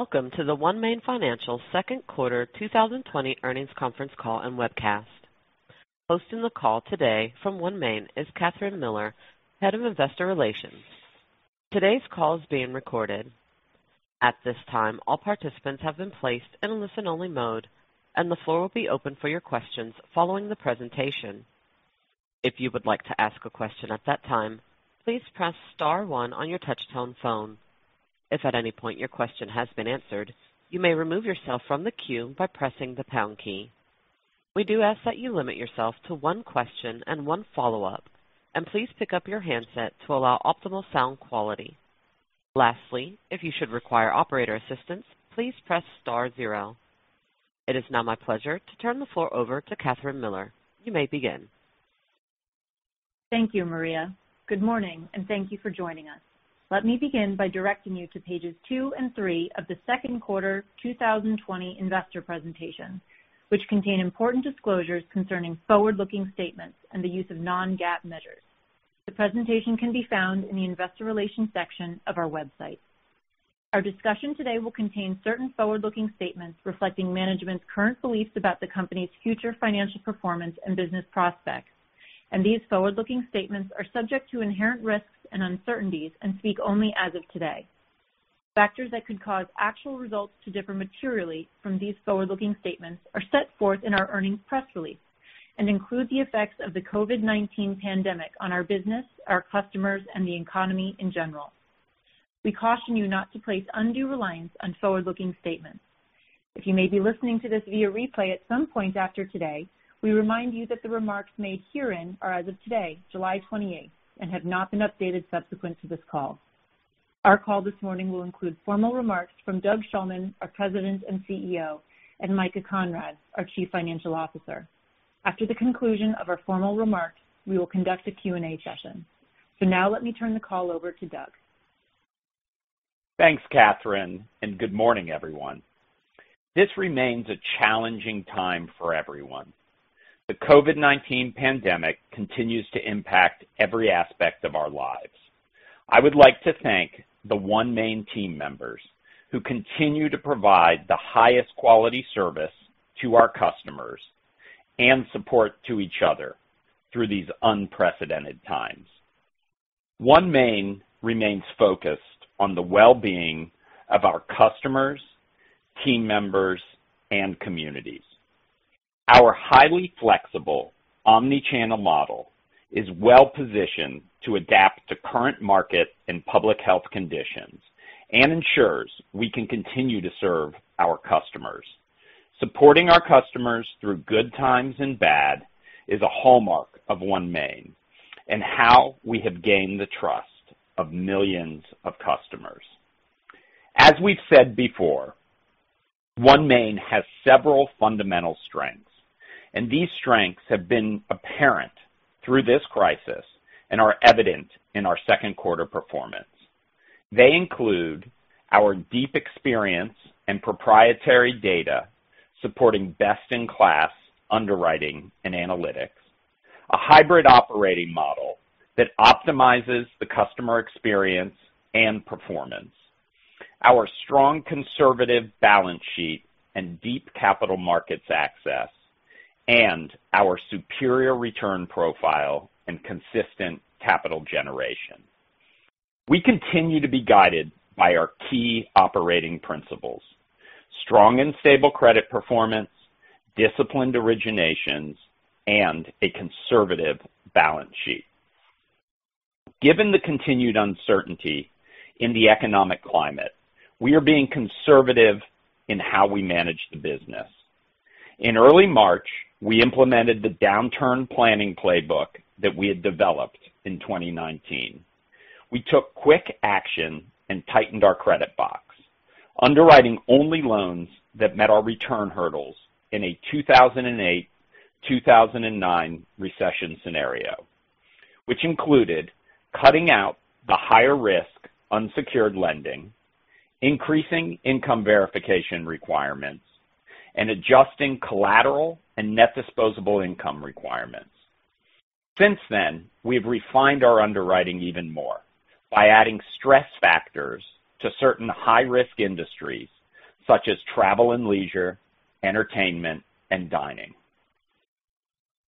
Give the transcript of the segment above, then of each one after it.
Welcome to the OneMain FinancialQ2 2020 earnings conference call and webcast. Hosting the call today from OneMain is Kathryn Miller, Head of Investor Relations. Today's call is being recorded. At this time, all participants have been placed in listen-only mode, and the floor will be open for your questions following the presentation. If you would like to ask a question at that time, please press star one on your touch-tone phone. If at any point your question has been answered, you may remove yourself from the queue by pressing the pound key. We do ask that you limit yourself to one question and one follow-up, and please pick up your handset to allow optimal sound quality. Lastly, if you should require operator assistance, please press star zero. It is now my pleasure to turn the floor over to Kathryn Miller. You may begin. Thank you, Maria. Good morning, and thank you for joining us. Let me begin by directing you to pages two and three of theQ2 2020 investor presentation, which contain important disclosures concerning forward-looking statements and the use of non-GAAP measures. The presentation can be found in the investor relations section of our website. Our discussion today will contain certain forward-looking statements reflecting management's current beliefs about the company's future financial performance and business prospects, and these forward-looking statements are subject to inherent risks and uncertainties and speak only as of today. Factors that could cause actual results to differ materially from these forward-looking statements are set forth in our earnings press release and include the effects of the COVID-19 pandemic on our business, our customers, and the economy in general. We caution you not to place undue reliance on forward-looking statements. If you may be listening to this via replay at some point after today, we remind you that the remarks made herein are as of today, July 28th, and have not been updated subsequent to this call. Our call this morning will include formal remarks from Doug Shulman, our President and CEO, and Micah Conrad, our Chief Financial Officer. After the conclusion of our formal remarks, we will conduct a Q&A session. For now, let me turn the call over to Doug. Thanks, Kathryn, and good morning, everyone. This remains a challenging time for everyone. The COVID-19 pandemic continues to impact every aspect of our lives. I would like to thank the OneMain team members who continue to provide the highest quality service to our customers and support to each other through these unprecedented times. OneMain remains focused on the well-being of our customers, team members, and communities. Our highly flexible omnichannel model is well-positioned to adapt to current market and public health conditions and ensures we can continue to serve our customers. Supporting our customers through good times and bad is a hallmark of OneMain and how we have gained the trust of millions of customers. As we've said before, OneMain has several fundamental strengths, and these strengths have been apparent through this crisis and are evident in ourQ2 performance. They include our deep experience and proprietary data supporting best-in-class underwriting and analytics, a hybrid operating model that optimizes the customer experience and performance, our strong conservative balance sheet and deep capital markets access, and our superior return profile and consistent capital generation. We continue to be guided by our key operating principles: strong and stable credit performance, disciplined originations, and a conservative balance sheet. Given the continued uncertainty in the economic climate, we are being conservative in how we manage the business. In early March, we implemented the downturn planning playbook that we had developed in 2019. We took quick action and tightened our credit box, underwriting only loans that met our return hurdles in a 2008-2009 recession scenario, which included cutting out the higher-risk unsecured lending, increasing income verification requirements, and adjusting collateral and net disposable income requirements. Since then, we have refined our underwriting even more by adding stress factors to certain high-risk industries such as travel and leisure, entertainment, and dining.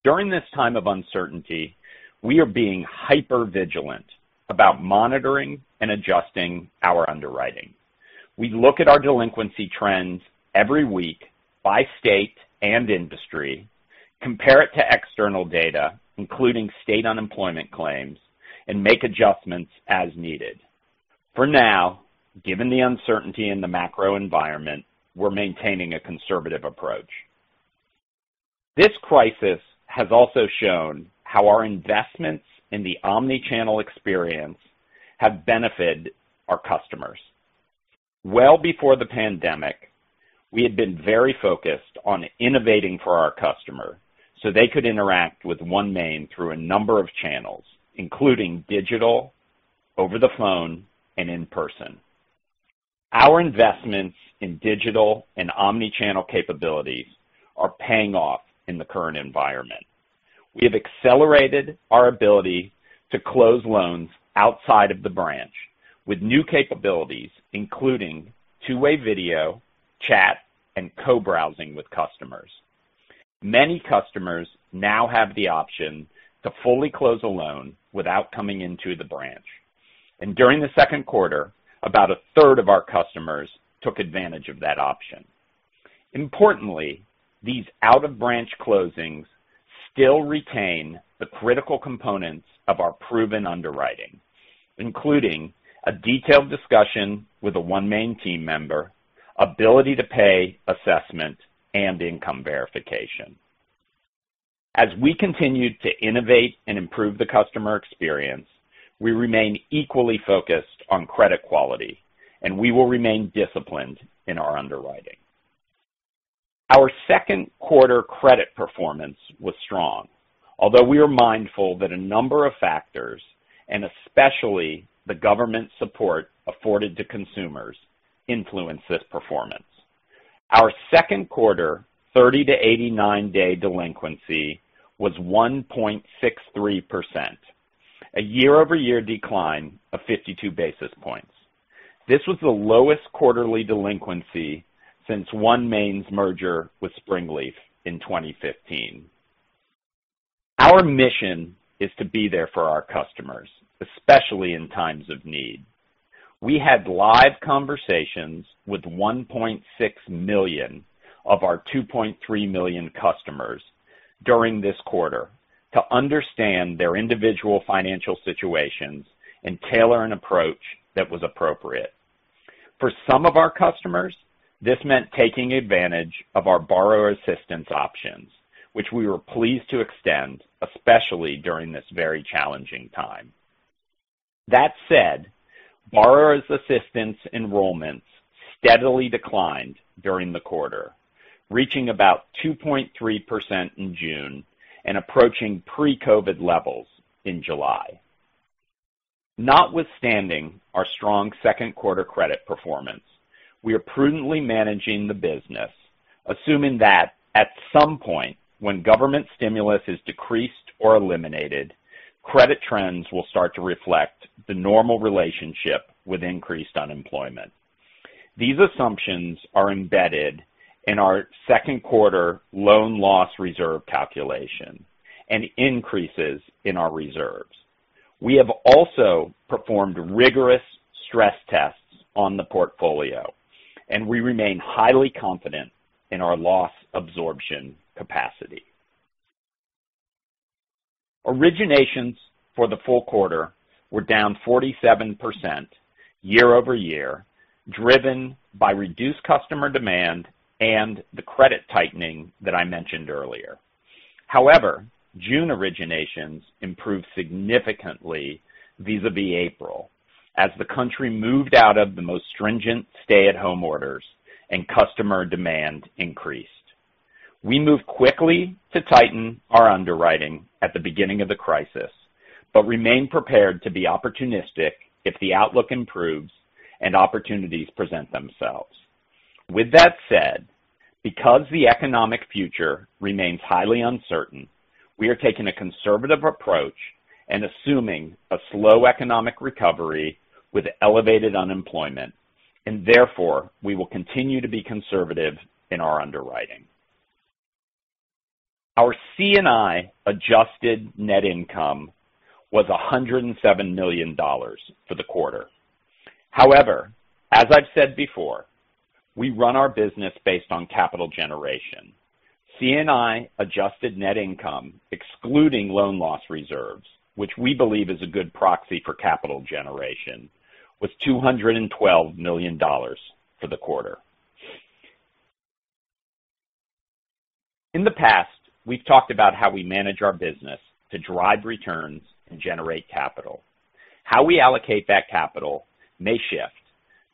During this time of uncertainty, we are being hyper-vigilant about monitoring and adjusting our underwriting. We look at our delinquency trends every week by state and industry, compare it to external data, including state unemployment claims, and make adjustments as needed. For now, given the uncertainty in the macro environment, we're maintaining a conservative approach. This crisis has also shown how our investments in the omnichannel experience have benefited our customers. Well before the pandemic, we had been very focused on innovating for our customer so they could interact with OneMain through a number of channels, including digital, over the phone, and in person. Our investments in digital and omnichannel capabilities are paying off in the current environment. We have accelerated our ability to close loans outside of the branch with new capabilities, including two-way video, chat, and co-browsing with customers. Many customers now have the option to fully close a loan without coming into the branch, and during theQ2, about a third of our customers took advantage of that option. Importantly, these out-of-branch closings still retain the critical components of our proven underwriting, including a detailed discussion with a OneMain team member, ability-to-pay assessment, and income verification. As we continue to innovate and improve the customer experience, we remain equally focused on credit quality, and we will remain disciplined in our underwriting. OurQ2 credit performance was strong, although we are mindful that a number of factors, and especially the government support afforded to consumers, influenced this performance. OurQ2 30 to 89-day delinquency was 1.63%, a year-over-year decline of 52 basis points. This was the lowest quarterly delinquency since OneMain's merger with Springleaf in 2015. Our mission is to be there for our customers, especially in times of need. We had live conversations with 1.6 million of our 2.3 million customers during this quarter to understand their individual financial situations and tailor an approach that was appropriate. For some of our customers, this meant taking advantage of our borrower assistance options, which we were pleased to extend, especially during this very challenging time. That said, borrower assistance enrollments steadily declined during the quarter, reaching about 2.3% in June and approaching pre-COVID levels in July. Notwithstanding our strongQ2 credit performance, we are prudently managing the business, assuming that at some point when government stimulus is decreased or eliminated, credit trends will start to reflect the normal relationship with increased unemployment. These assumptions are embedded in ourQ2 loan loss reserve calculation and increases in our reserves. We have also performed rigorous stress tests on the portfolio, and we remain highly confident in our loss absorption capacity. Originations for the full quarter were down 47% year-over-year, driven by reduced customer demand and the credit tightening that I mentioned earlier. However, June originations improved significantly vis-à-vis April as the country moved out of the most stringent stay-at-home orders and customer demand increased. We moved quickly to tighten our underwriting at the beginning of the crisis but remain prepared to be opportunistic if the outlook improves and opportunities present themselves. With that said, because the economic future remains highly uncertain, we are taking a conservative approach and assuming a slow economic recovery with elevated unemployment, and therefore we will continue to be conservative in our underwriting. Our C&I adjusted net income was $107 million for the quarter. However, as I've said before, we run our business based on capital generation. C&I adjusted net income, excluding loan loss reserves, which we believe is a good proxy for capital generation, was $212 million for the quarter. In the past, we've talked about how we manage our business to drive returns and generate capital. How we allocate that capital may shift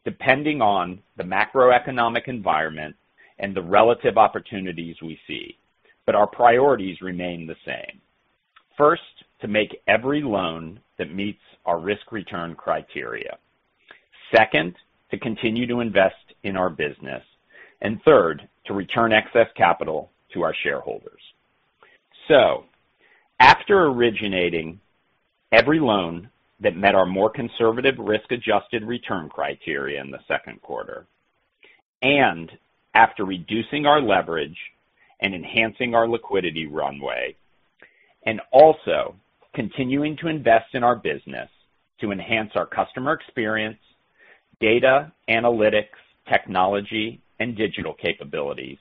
depending on the macroeconomic environment and the relative opportunities we see, but our priorities remain the same. First, to make every loan that meets our risk-return criteria. Second, to continue to invest in our business. And third, to return excess capital to our shareholders. After originating every loan that met our more conservative risk-adjusted return criteria in theQ2, and after reducing our leverage and enhancing our liquidity runway, and also continuing to invest in our business to enhance our customer experience, data, analytics, technology, and digital capabilities,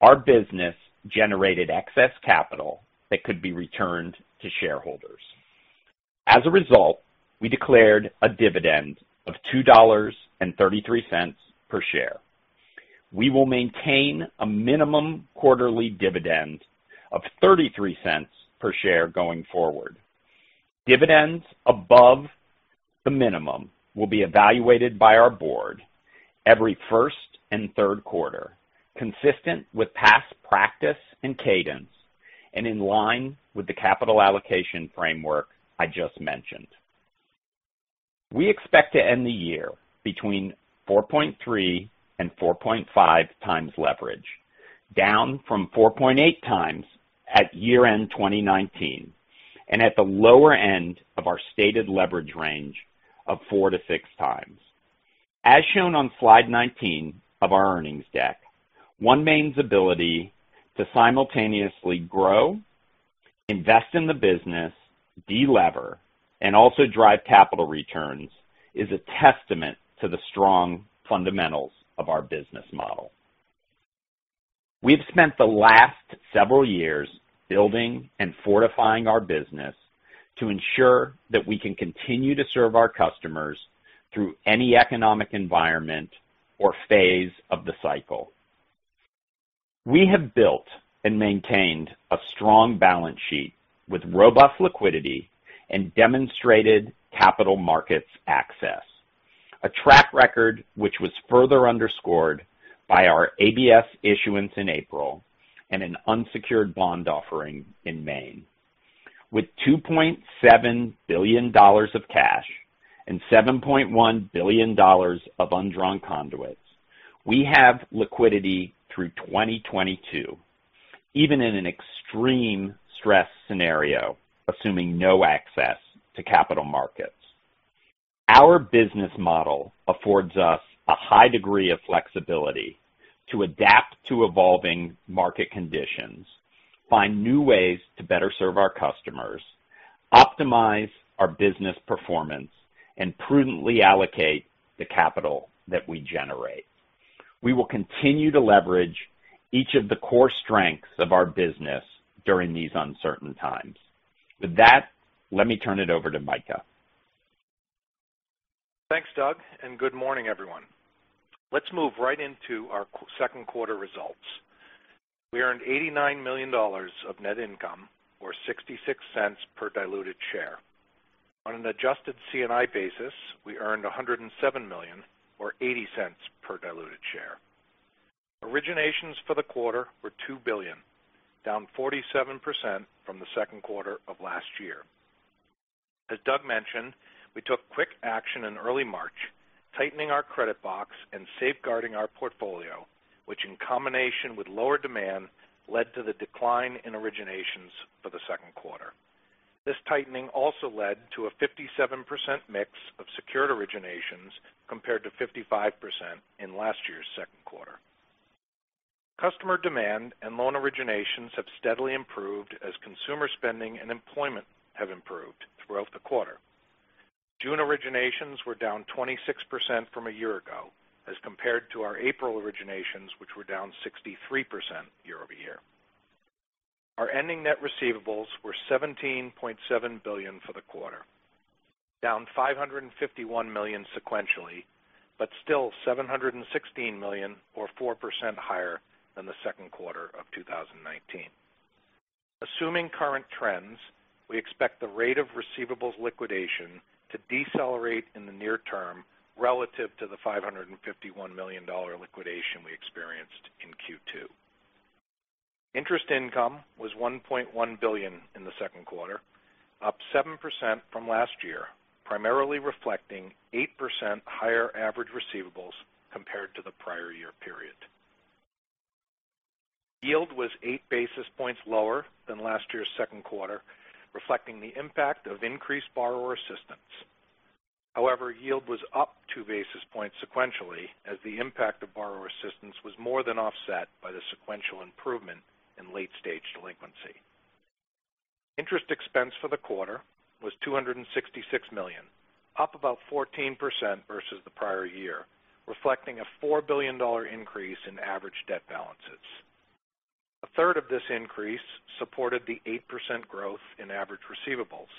our business generated excess capital that could be returned to shareholders. As a result, we declared a dividend of $2.33 per share. We will maintain a minimum quarterly dividend of $0.33 per share going forward. Dividends above the minimum will be evaluated by our board every first and Q3, consistent with past practice and cadence, and in line with the capital allocation framework I just mentioned. We expect to end the year between 4.3 and 4.5x leverage, down from 4.8x at year-end 2019 and at the lower end of our stated leverage range of four to six times. As shown on slide 19 of our earnings deck, OneMain's ability to simultaneously grow, invest in the business, delever, and also drive capital returns is a testament to the strong fundamentals of our business model. We have spent the last several years building and fortifying our business to ensure that we can continue to serve our customers through any economic environment or phase of the cycle. We have built and maintained a strong balance sheet with robust liquidity and demonstrated capital markets access, a track record which was further underscored by our ABS issuance in April and an unsecured bond offering in May. With $2.7 billion of cash and $7.1 billion of undrawn conduits, we have liquidity through 2022, even in an extreme stress scenario, assuming no access to capital markets. Our business model affords us a high degree of flexibility to adapt to evolving market conditions, find new ways to better serve our customers, optimize our business performance, and prudently allocate the capital that we generate. We will continue to leverage each of the core strengths of our business during these uncertain times. With that, let me turn it over to Micah. Thanks, Doug, and good morning, everyone. Let's move right into ourQ2 results. We earned $89 million of net income or $0.66 per diluted share. On an adjusted C&I basis, we earned $107 million or $0.80 per diluted share. Originations for the quarter were $2 billion, down 47% from theQ2 of last year. As Doug mentioned, we took quick action in early March, tightening our credit box and safeguarding our portfolio, which, in combination with lower demand, led to the decline in originations for the Q2. This tightening also led to a 57% mix of secured originations compared to 55% in last year'sQ2. Customer demand and loan originations have steadily improved as consumer spending and employment have improved throughout the quarter. June originations were down 26% from a year ago as compared to our April originations, which were down 63% year-over-year. Our ending net receivables were $17.7 billion for the quarter, down $551 million sequentially, but still $716 million or 4% higher than theQ2 of 2019. Assuming current trends, we expect the rate of receivables liquidation to decelerate in the near term relative to the $551 million liquidation we experienced in Q2. Interest income was $1.1 billion in theQ2, up 7% from last year, primarily reflecting 8% higher average receivables compared to the prior year period. Yield was 8 basis points lower than last year'sQ2, reflecting the impact of increased borrower assistance. However, yield was up 2 basis points sequentially as the impact of borrower assistance was more than offset by the sequential improvement in late-stage delinquency. Interest expense for the quarter was $266 million, up about 14% versus the prior year, reflecting a $4 billion increase in average debt balances. A third of this increase supported the 8% growth in average receivables.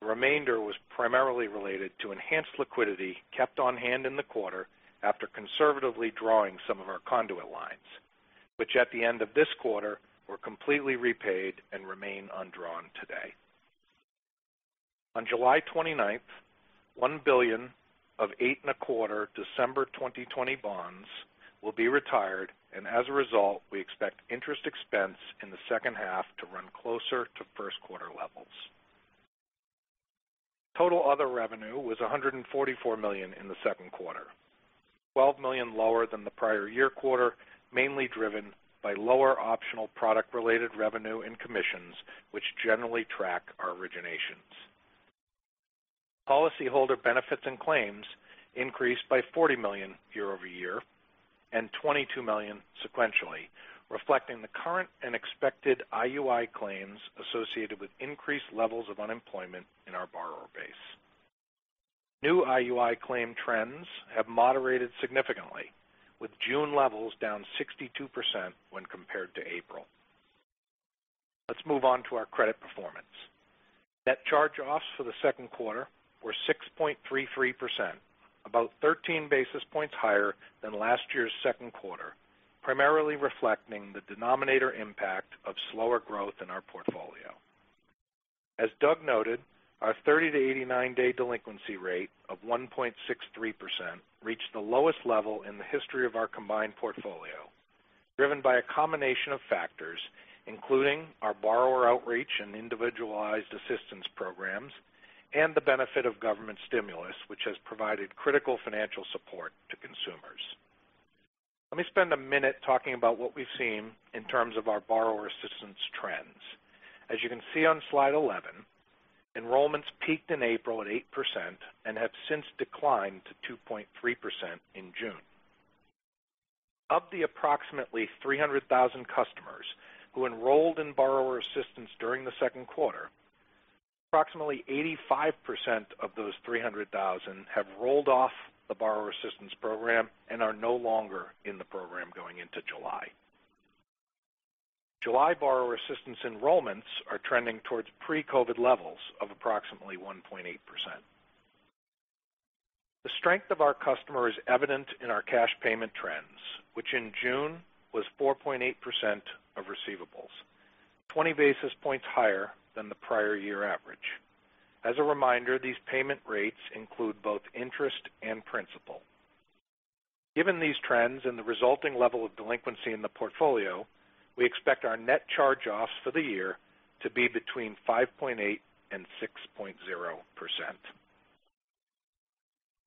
The remainder was primarily related to enhanced liquidity kept on hand in the quarter after conservatively drawing some of our conduit lines, which at the end of this quarter were completely repaid and remain undrawn today. On July 29th, $1 billion of eight and a quarter December 2020 bonds will be retired, and as a result, we expect interest expense in the second half to run closer to Q1 levels. Total other revenue was $144 million in the Q2, $12 million lower than the prior year quarter, mainly driven by lower optional product-related revenue and commissions, which generally track our originations. Policyholder benefits and claims increased by $40 million year-over-year and $22 million sequentially, reflecting the current and expected IUI claims associated with increased levels of unemployment in our borrower base. New IUI claim trends have moderated significantly, with June levels down 62% when compared to April. Let's move on to our credit performance. Net charge-offs for the Q2 were 6.33%, about 13 basis points higher than last year's Q2, primarily reflecting the denominator impact of slower growth in our portfolio. As Doug noted, our 30 to 89-day delinquency rate of 1.63% reached the lowest level in the history of our combined portfolio, driven by a combination of factors, including our borrower outreach and individualized assistance programs, and the benefit of government stimulus, which has provided critical financial support to consumers. Let me spend a minute talking about what we've seen in terms of our borrower assistance trends. As you can see on slide 11, enrollments peaked in April at 8% and have since declined to 2.3% in June. Of the approximately 300,000 customers who enrolled in borrower assistance during theQ2, approximately 85% of those 300,000 have rolled off the borrower assistance program and are no longer in the program going into July. July borrower assistance enrollments are trending towards pre-COVID levels of approximately 1.8%. The strength of our customer is evident in our cash payment trends, which in June was 4.8% of receivables, 20 basis points higher than the prior year average. As a reminder, these payment rates include both interest and principal. Given these trends and the resulting level of delinquency in the portfolio, we expect our net charge-offs for the year to be between 5.8% and 6.0%.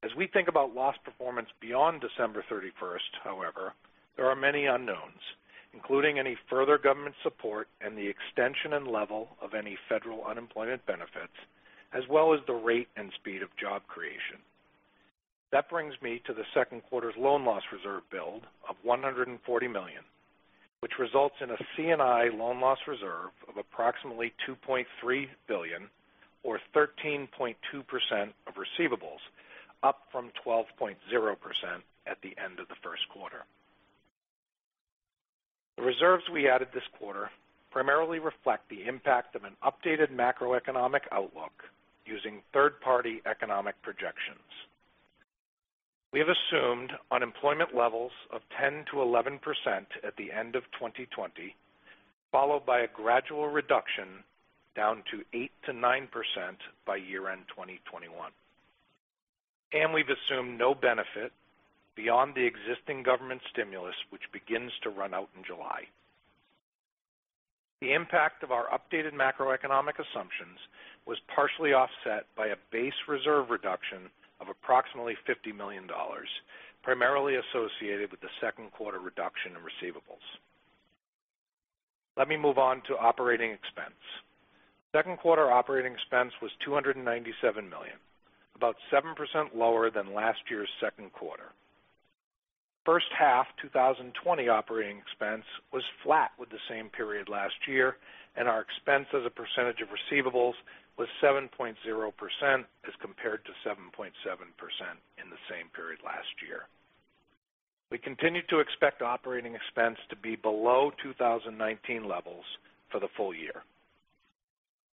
As we think about loan performance beyond December 31st, however, there are many unknowns, including any further government support and the extension and level of any federal unemployment benefits, as well as the rate and speed of job creation. That brings me to theQ2's loan loss reserve build of $140 million, which results in a C&I loan loss reserve of approximately $2.3 billion or 13.2% of receivables, up from 12.0% at the end of the Q1. The reserves we added this quarter primarily reflect the impact of an updated macroeconomic outlook using third-party economic projections. We have assumed unemployment levels of 10%-11% at the end of 2020, followed by a gradual reduction down to 8%-9% by year-end 2021, and we've assumed no benefit beyond the existing government stimulus, which begins to run out in July. The impact of our updated macroeconomic assumptions was partially offset by a base reserve reduction of approximately $50 million, primarily associated with theQ2 reduction in receivables. Let me move on to operating expense.Q2 operating expense was $297 million, about 7% lower than last year'sQ2. First half 2020 operating expense was flat with the same period last year, and our expense as a percentage of receivables was 7.0% as compared to 7.7% in the same period last year. We continue to expect operating expense to be below 2019 levels for the full year.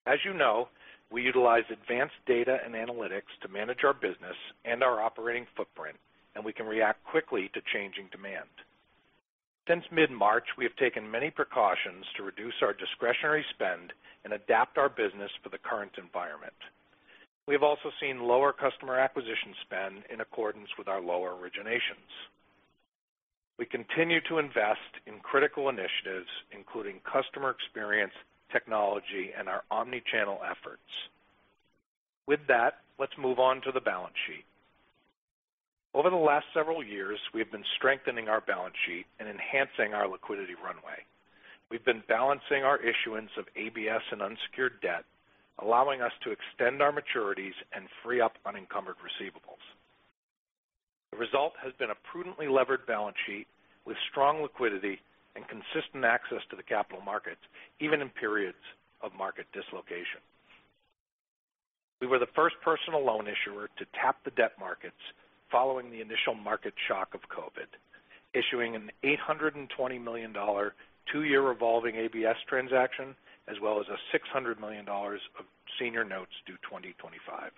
As you know, we utilize advanced data and analytics to manage our business and our operating footprint, and we can react quickly to changing demand. Since mid-March, we have taken many precautions to reduce our discretionary spend and adapt our business for the current environment. We have also seen lower customer acquisition spend in accordance with our lower originations. We continue to invest in critical initiatives, including customer experience, technology, and our omnichannel efforts. With that, let's move on to the balance sheet. Over the last several years, we have been strengthening our balance sheet and enhancing our liquidity runway. We've been balancing our issuance of ABS and unsecured debt, allowing us to extend our maturities and free up unencumbered receivables. The result has been a prudently levered balance sheet with strong liquidity and consistent access to the capital markets, even in periods of market dislocation. We were the first personal loan issuer to tap the debt markets following the initial market shock of COVID, issuing an $820 million two-year revolving ABS transaction, as well as a $600 million of senior notes due 2025.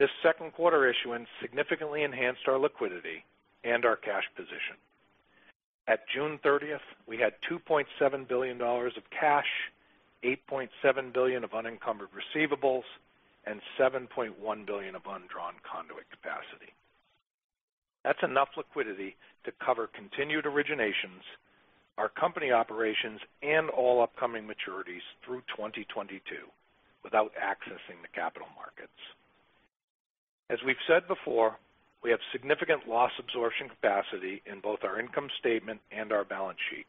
This Q2 issuance significantly enhanced our liquidity and our cash position. At June 30th, we had $2.7 billion of cash, $8.7 billion of unencumbered receivables, and $7.1 billion of undrawn conduit capacity. That's enough liquidity to cover continued originations, our company operations, and all upcoming maturities through 2022 without accessing the capital markets. As we've said before, we have significant loss absorption capacity in both our income statement and our balance sheet.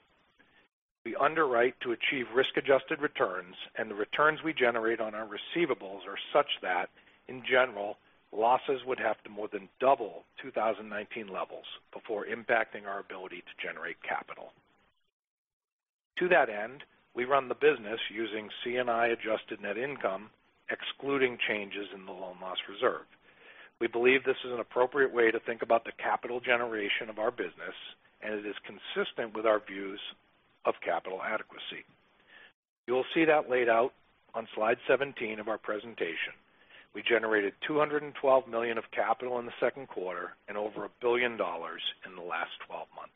We underwrite to achieve risk-adjusted returns, and the returns we generate on our receivables are such that, in general, losses would have to more than double 2019 levels before impacting our ability to generate capital. To that end, we run the business using C&I adjusted net income, excluding changes in the loan loss reserve. We believe this is an appropriate way to think about the capital generation of our business, and it is consistent with our views of capital adequacy. You'll see that laid out on slide 17 of our presentation. We generated $212 million of capital in the Q2 and over a billion dollars in the last 12 months.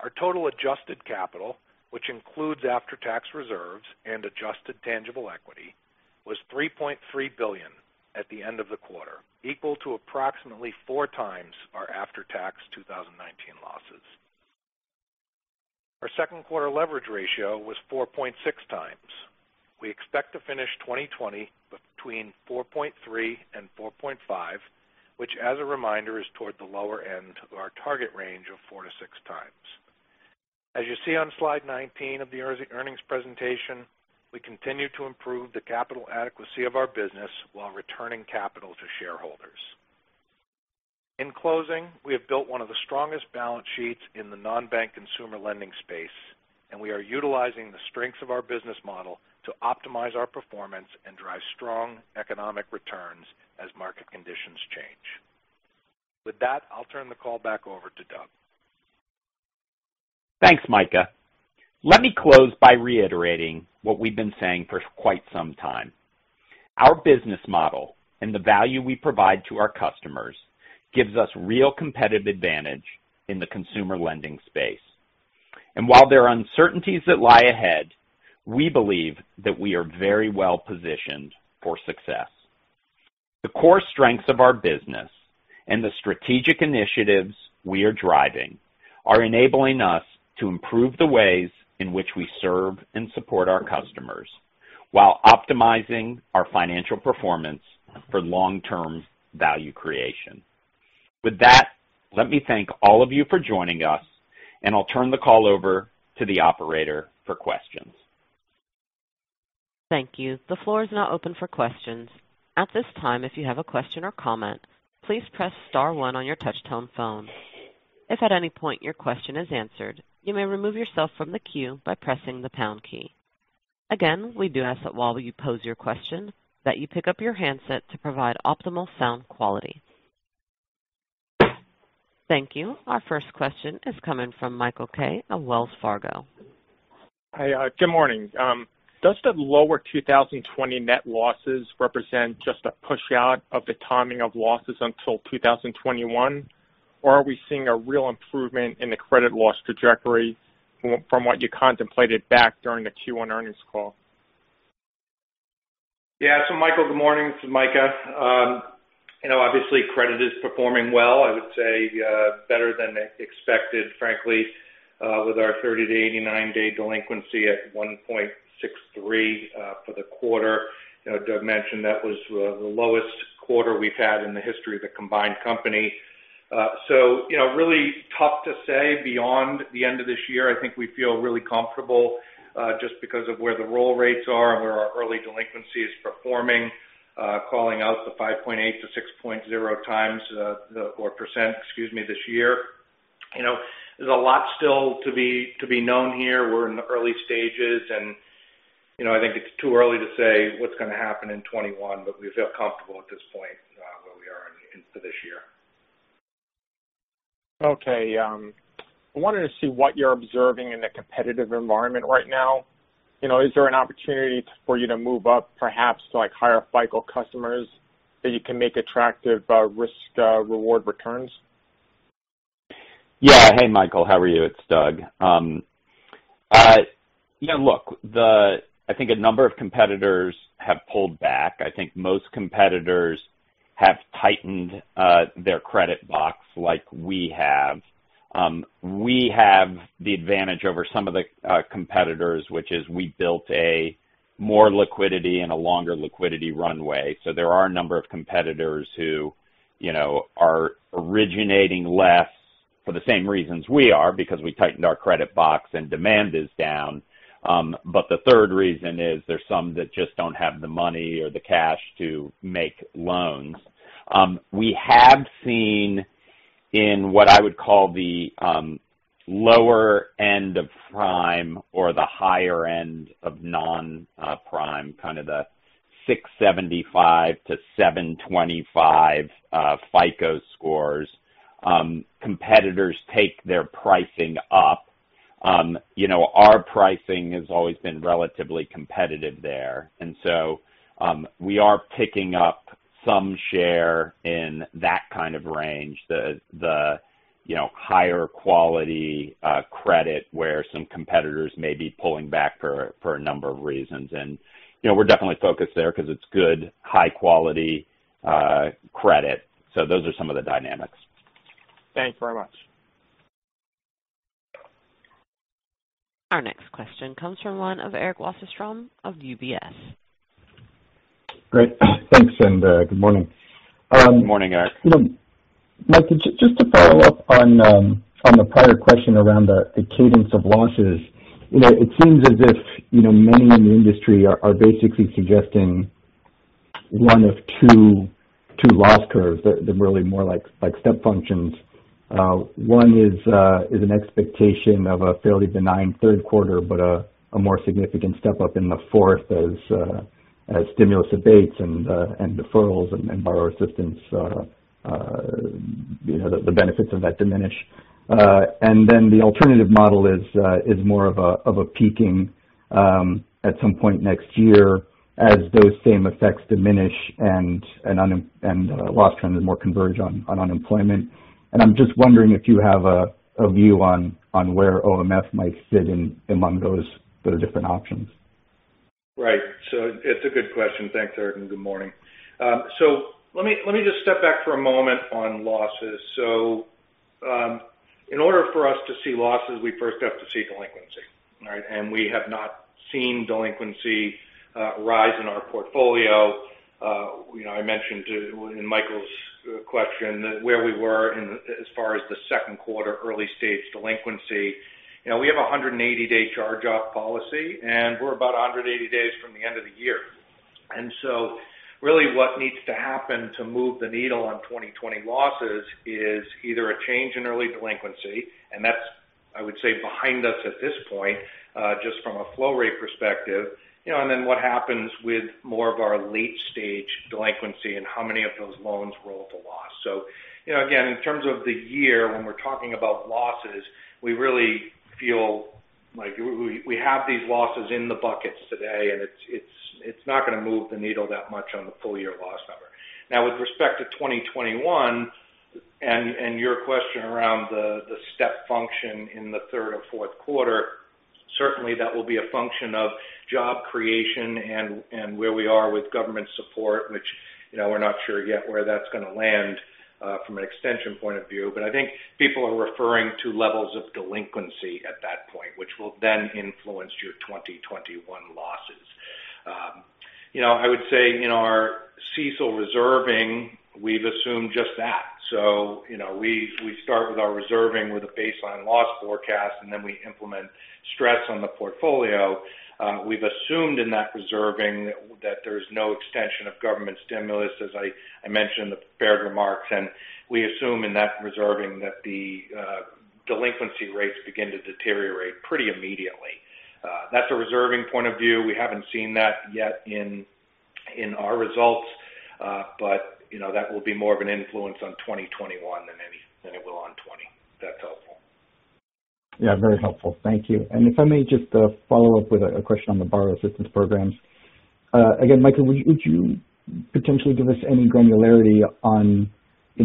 Our total adjusted capital, which includes after-tax reserves and adjusted tangible equity, was $3.3 billion at the end of the quarter, equal to approximately four times our after-tax 2019 losses. Our Q2 leverage ratio was 4x. We expect to finish 2020 between 4.3 and 4.5, which, as a reminder, is toward the lower end of our target range of four to six times. As you see on slide 19 of the earnings presentation, we continue to improve the capital adequacy of our business while returning capital to shareholders. In closing, we have built one of the strongest balance sheets in the non-bank consumer lending space, and we are utilizing the strengths of our business model to optimize our performance and drive strong economic returns as market conditions change. With that, I'll turn the call back over to Doug. Thanks, Micah. Let me close by reiterating what we've been saying for quite some time. Our business model and the value we provide to our customers gives us real competitive advantage in the consumer lending space. And while there are uncertainties that lie ahead, we believe that we are very well positioned for success. The core strengths of our business and the strategic initiatives we are driving are enabling us to improve the ways in which we serve and support our customers while optimizing our financial performance for long-term value creation. With that, let me thank all of you for joining us, and I'll turn the call over to the operator for questions. Thank you. The floor is now open for questions. At this time, if you have a question or comment, please press star one on your touch-tone phone. If at any point your question is answered, you may remove yourself from the queue by pressing the pound key. Again, we do ask that while you pose your question, that you pick up your handset to provide optimal sound quality. Thank you. Our first question is coming from Michael Kaye of Wells Fargo. Hey, good morning. Does the lower 2020 net losses represent just a push-out of the timing of losses until 2021, or are we seeing a real improvement in the credit loss trajectory from what you contemplated back during the Q1 earnings call? Yeah. So, Michael, good morning. This is Micah. Obviously, credit is performing well. I would say better than expected, frankly, with our 30-89 day delinquency at 1.63% for the quarter. Doug mentioned that was the lowest quarter we've had in the history of the combined company. So, really tough to say beyond the end of this year. I think we feel really comfortable just because of where the roll rates are and where our early delinquency is performing, calling out the 5.8%-6.0% this year. There's a lot still to be known here. We're in the early stages, and I think it's too early to say what's going to happen in 2021, but we feel comfortable at this point where we are for this year. Okay. I wanted to see what you're observing in the competitive environment right now. Is there an opportunity for you to move up, perhaps to higher FICO customers that you can make attractive risk-reward returns? Yeah. Hey, Michael, how are you? It's Doug. Yeah, look, I think a number of competitors have pulled back. I think most competitors have tightened their credit box like we have. We have the advantage over some of the competitors, which is we built a more liquidity and a longer liquidity runway. So there are a number of competitors who are originating less for the same reasons we are, because we tightened our credit box and demand is down. But the third reason is there's some that just don't have the money or the cash to make loans. We have seen in what I would call the lower end of prime or the higher end of non-prime, kind of the 675-725 FICO scores. Competitors take their pricing up. Our pricing has always been relatively competitive there. And so we are picking up some share in that kind of range, the higher quality credit where some competitors may be pulling back for a number of reasons. And we're definitely focused there because it's good, high-quality credit. So those are some of the dynamics. Thanks very much. Our next question comes from Eric Wasserstrom of UBS. Great. Thanks, and good morning. Good morning, Eric. Mike, just to follow up on the prior question around the cadence of losses, it seems as if many in the industry are basically suggesting one of two loss curves, really more like step functions. One is an expectation of a fairly benign Q3, but a more significant step up in the fourth as stimulus abates and deferrals and borrower assistance, the benefits of that diminish. And then the alternative model is more of a peaking at some point next year as those same effects diminish and loss trends more converge on unemployment. And I'm just wondering if you have a view on where OMF might fit in among those different options. Right. So it's a good question. Thanks, Eric, and good morning. So let me just step back for a moment on losses. So in order for us to see losses, we first have to see delinquency. And we have not seen delinquency rise in our portfolio. I mentioned in Michael's question where we were as far as theQ2 early stage delinquency. We have a 180-day charge-out policy, and we're about 180 days from the end of the year. And so really what needs to happen to move the needle on 2020 losses is either a change in early delinquency, and that's, I would say, behind us at this point just from a flow rate perspective. And then what happens with more of our late-stage delinquency and how many of those loans roll to loss? So again, in terms of the year, when we're talking about losses, we really feel like we have these losses in the buckets today, and it's not going to move the needle that much on the full-year loss number. now, with respect to 2021 and your question around the step function in the Q3 or Q4, certainly that will be a function of job creation and where we are with government support, which we're not sure yet where that's going to land from an extension point of view. but I think people are referring to levels of delinquency at that point, which will then influence your 2021 losses. I would say in our CECL reserving, we've assumed just that. so we start with our reserving with a baseline loss forecast, and then we implement stress on the portfolio. We've assumed in that reserving that there's no extension of government stimulus, as I mentioned in the prepared remarks. And we assume in that reserving that the delinquency rates begin to deteriorate pretty immediately. That's a reserving point of view. We haven't seen that yet in our results, but that will be more of an influence on 2021 than it will on 2020. Yeah, very helpful. Thank you. And if I may just follow up with a question on the borrower assistance programs. Again, Michael, would you potentially give us any granularity on the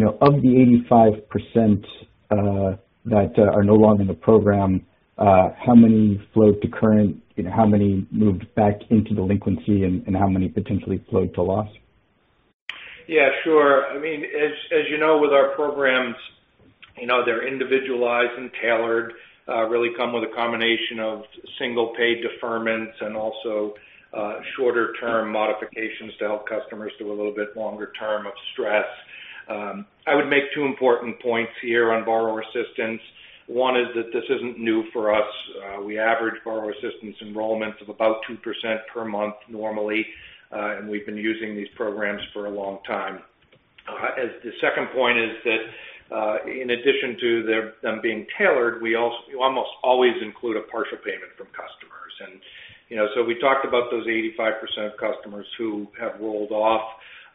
85% that are no longer in the program, how many flowed to current, how many moved back into delinquency, and how many potentially flowed to loss? Yeah, sure. I mean, as you know, with our programs, they're individualized and tailored, really come with a combination of single-page deferments and also shorter-term modifications to help customers do a little bit longer-term of stress. I would make two important points here on borrower assistance. One is that this isn't new for us. We average borrower assistance enrollments of about 2% per month normally, and we've been using these programs for a long time. The second point is that in addition to them being tailored, we almost always include a partial payment from customers. And so we talked about those 85% of customers who have rolled off.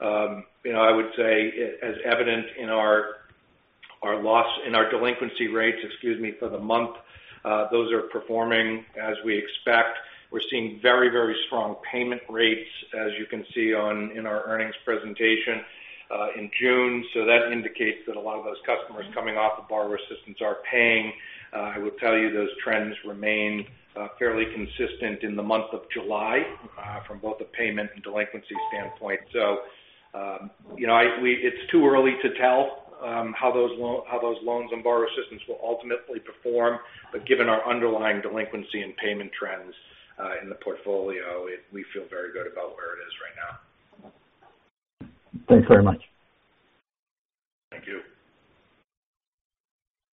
I would say as evident in our delinquency rates, excuse me, for the month, those are performing as we expect. We're seeing very, very strong payment rates, as you can see in our earnings presentation in June. So that indicates that a lot of those customers coming off of borrower assistance are paying. I will tell you those trends remain fairly consistent in the month of July from both the payment and delinquency standpoint. So it's too early to tell how those loans and borrower assistance will ultimately perform. But given our underlying delinquency and payment trends in the portfolio, we feel very good about where it is right now. Thanks very much. Thank you.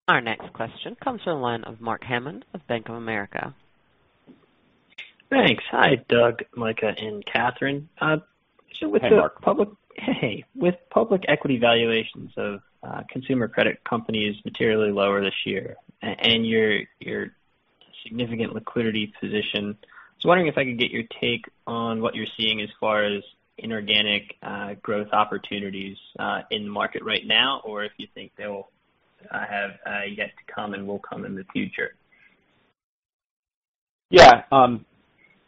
Our next question comes from Mark Hammond of Bank of America. Thanks. Hi, Doug, Micah, and Kathryn. Hey, Mark. Hey, with public equity valuations of consumer credit companies materially lower this year and your significant liquidity position, I was wondering if I could get your take on what you're seeing as far as inorganic growth opportunities in the market right now, or if you think they'll have yet to come and will come in the future? Yeah.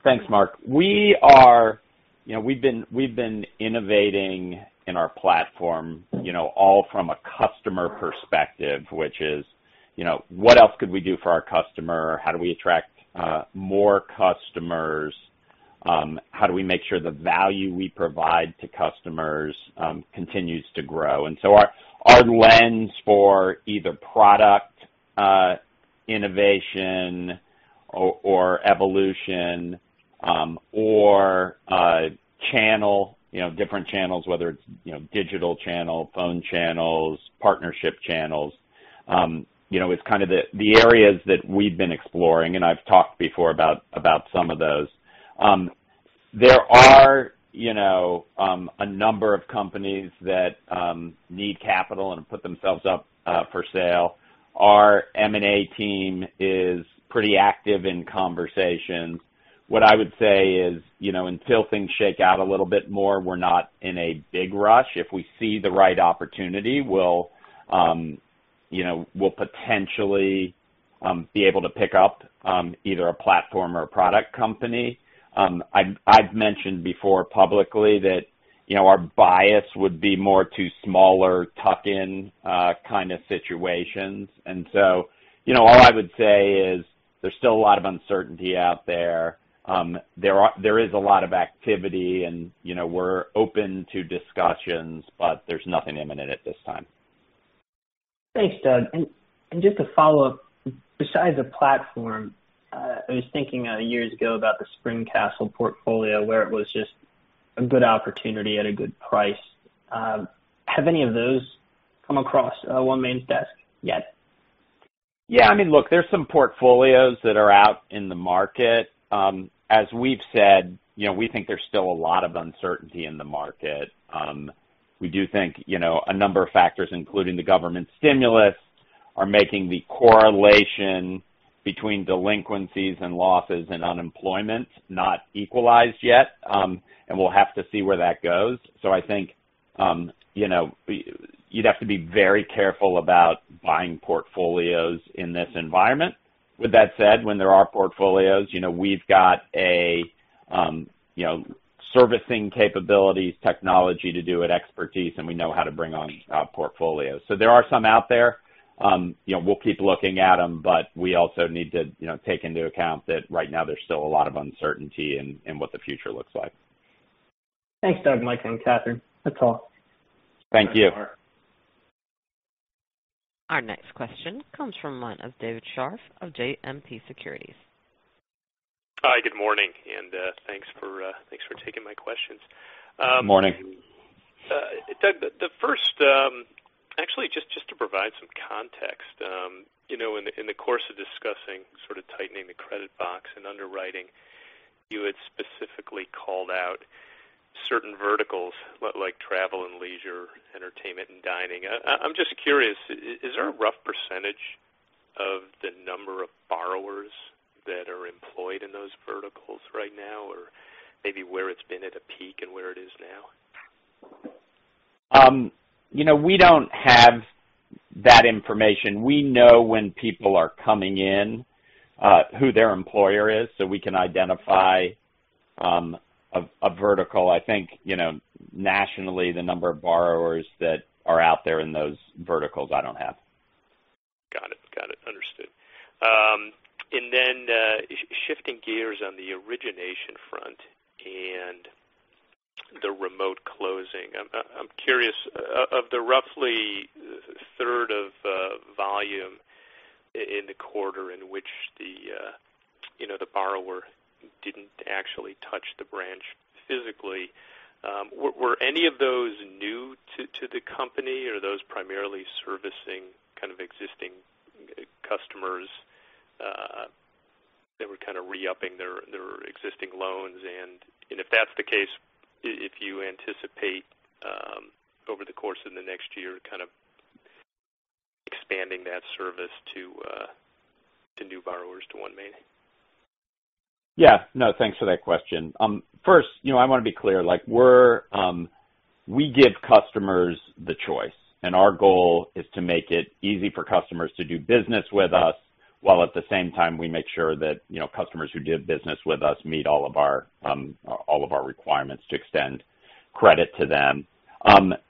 Thanks, Mark. We've been innovating in our platform all from a customer perspective, which is what else could we do for our customer? How do we attract more customers? How do we make sure the value we provide to customers continues to grow? And so our lens for either product innovation or evolution or different channels, whether it's digital channel, phone channels, partnership channels, it's kind of the areas that we've been exploring. And I've talked before about some of those. There are a number of companies that need capital and put themselves up for sale. Our M&A team is pretty active in conversation. What I would say is until things shake out a little bit more, we're not in a big rush. If we see the right opportunity, we'll potentially be able to pick up either a platform or a product company. I've mentioned before publicly that our bias would be more to smaller tuck-in kind of situations, and so all I would say is there's still a lot of uncertainty out there. There is a lot of activity, and we're open to discussions, but there's nothing imminent at this time. Thanks, Doug. And just to follow up, besides a platform, I was thinking years ago about the SpringCastle portfolio where it was just a good opportunity at a good price. Have any of those come across OneMain's desk yet? Yeah. I mean, look, there's some portfolios that are out in the market. As we've said, we think there's still a lot of uncertainty in the market. We do think a number of factors, including the government stimulus, are making the correlation between delinquencies and losses and unemployment not equalized yet, and we'll have to see where that goes, so I think you'd have to be very careful about buying portfolios in this environment. With that said, when there are portfolios, we've got a servicing capabilities, technology to do it, expertise, and we know how to bring on portfolios, so there are some out there. We'll keep looking at them, but we also need to take into account that right now there's still a lot of uncertainty in what the future looks like. Thanks, Doug, Mike, and Kathryn. That's all. Thank you. Our next question comes from the line of David Scharf of JMP Securities. Hi, good morning, and thanks for taking my questions. Good morning. Doug, the first, actually, just to provide some context, in the course of discussing sort of tightening the credit box and underwriting, you had specifically called out certain verticals like travel and leisure, entertainment, and dining. I'm just curious, is there a rough percentage of the number of borrowers that are employed in those verticals right now, or maybe where it's been at a peak and where it is now? We don't have that information. We know when people are coming in, who their employer is, so we can identify a vertical. I think nationally, the number of borrowers that are out there in those verticals that I don't have. Got it. Got it. Understood. And then shifting gears on the origination front and the remote closing, I'm curious, of the roughly third of volume in the quarter in which the borrower didn't actually touch the branch physically, were any of those new to the company, or are those primarily servicing kind of existing customers that were kind of re-upping their existing loans? And if that's the case, if you anticipate over the course of the next year kind of expanding that service to new borrowers to OneMain? Yeah. No, thanks for that question. First, I want to be clear. We give customers the choice, and our goal is to make it easy for customers to do business with us while at the same time we make sure that customers who do business with us meet all of our requirements to extend credit to them.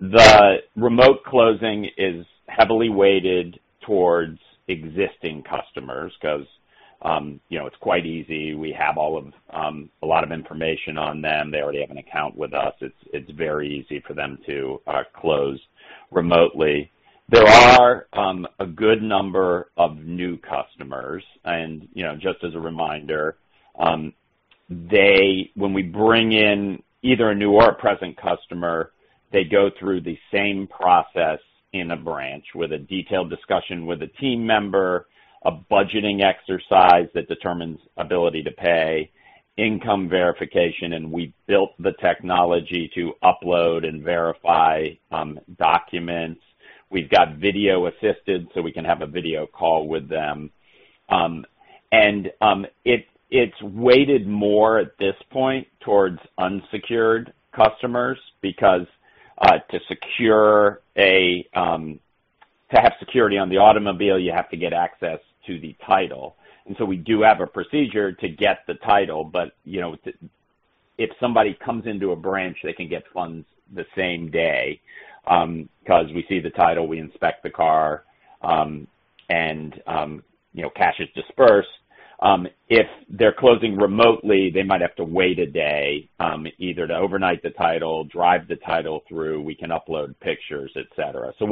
The remote closing is heavily weighted towards existing customers because it's quite easy. We have a lot of information on them. They already have an account with us. It's very easy for them to close remotely. There are a good number of new customers. Just as a reminder, when we bring in either a new or a present customer, they go through the same process in a branch with a detailed discussion with a team member, a budgeting exercise that determines ability to pay, income verification, and we built the technology to upload and verify documents. We've got video-assisted so we can have a video call with them. And it's weighted more at this point towards unsecured customers because to have security on the automobile, you have to get access to the title. And so we do have a procedure to get the title, but if somebody comes into a branch, they can get funds the same day because we see the title, we inspect the car, and cash is disbursed. If they're closing remotely, they might have to wait a day either to overnight the title, drive the title through, we can upload pictures, etc., so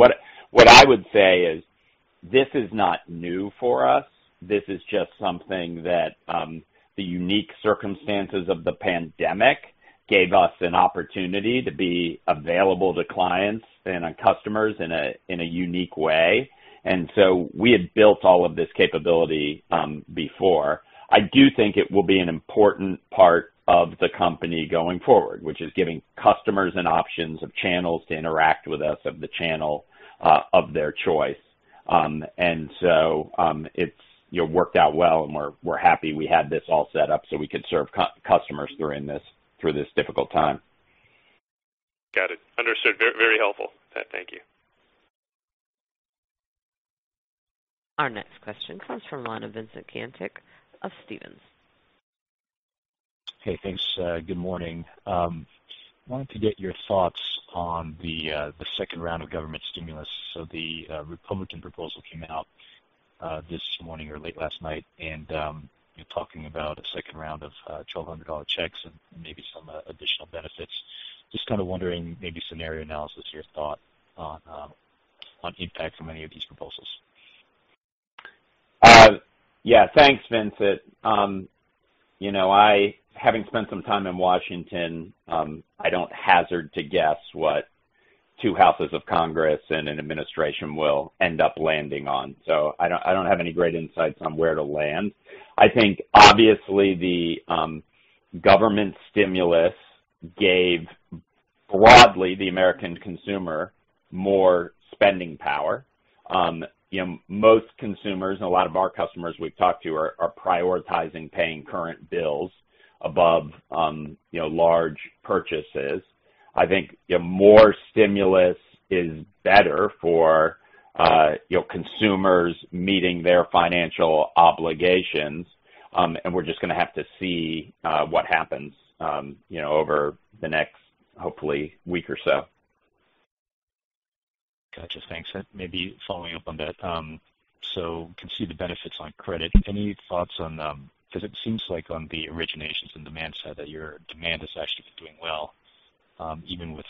what I would say is this is not new for us. This is just something that the unique circumstances of the pandemic gave us an opportunity to be available to clients and customers in a unique way, and so we had built all of this capability before. I do think it will be an important part of the company going forward, which is giving customers an option of channels to interact with us of the channel of their choice, and so it's worked out well, and we're happy we had this all set up so we could serve customers through this difficult time. Got it. Understood. Very helpful. Thank you. Our next question comes from Vincent Caintic of Stephens. Hey, thanks. Good morning. I wanted to get your thoughts on the second round of government stimulus. So the Republican proposal came out this morning or late last night and talking about a second round of $1,200 checks and maybe some additional benefits. Just kind of wondering, maybe scenario analysis, your thought on impact from any of these proposals? Yeah. Thanks, Vincent. Having spent some time in Washington, I don't hazard to guess what two houses of Congress and an administration will end up landing on. So I don't have any great insights on where to land. I think, obviously, the government stimulus gave broadly the American consumer more spending power. Most consumers and a lot of our customers we've talked to are prioritizing paying current bills above large purchases. I think more stimulus is better for consumers meeting their financial obligations. And we're just going to have to see what happens over the next, hopefully, week or so. Gotcha. Thanks. Maybe following up on that, so we can see the benefits on credit. Any thoughts on because it seems like on the originations and demand side that your demand has actually been doing well even with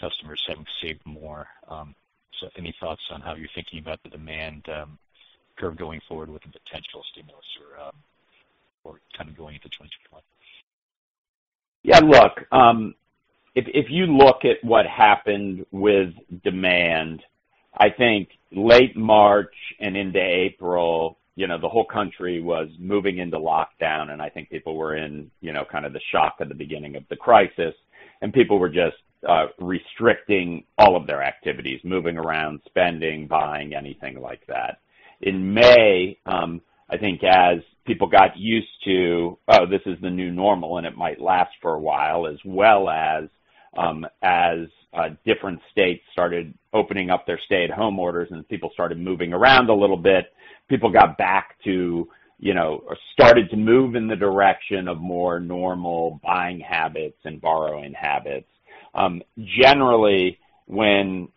customers having saved more. So any thoughts on how you're thinking about the demand curve going forward with the potential stimulus or kind of going into 2021? Yeah. Look, if you look at what happened with demand, I think late March and into April, the whole country was moving into lockdown, and I think people were in kind of the shock at the beginning of the crisis, and people were just restricting all of their activities, moving around, spending, buying, anything like that. In May, I think as people got used to, "Oh, this is the new normal, and it might last for a while," as well as different states started opening up their stay-at-home orders and people started moving around a little bit, people got back to or started to move in the direction of more normal buying habits and borrowing habits. Generally, when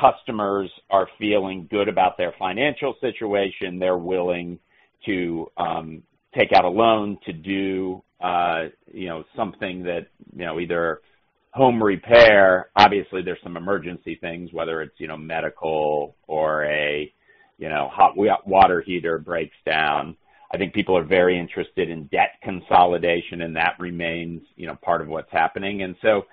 customers are feeling good about their financial situation, they're willing to take out a loan to do something that either home repair, obviously, there's some emergency things, whether it's medical or a hot water heater breaks down. I think people are very interested in debt consolidation, and that remains part of what's happening, and so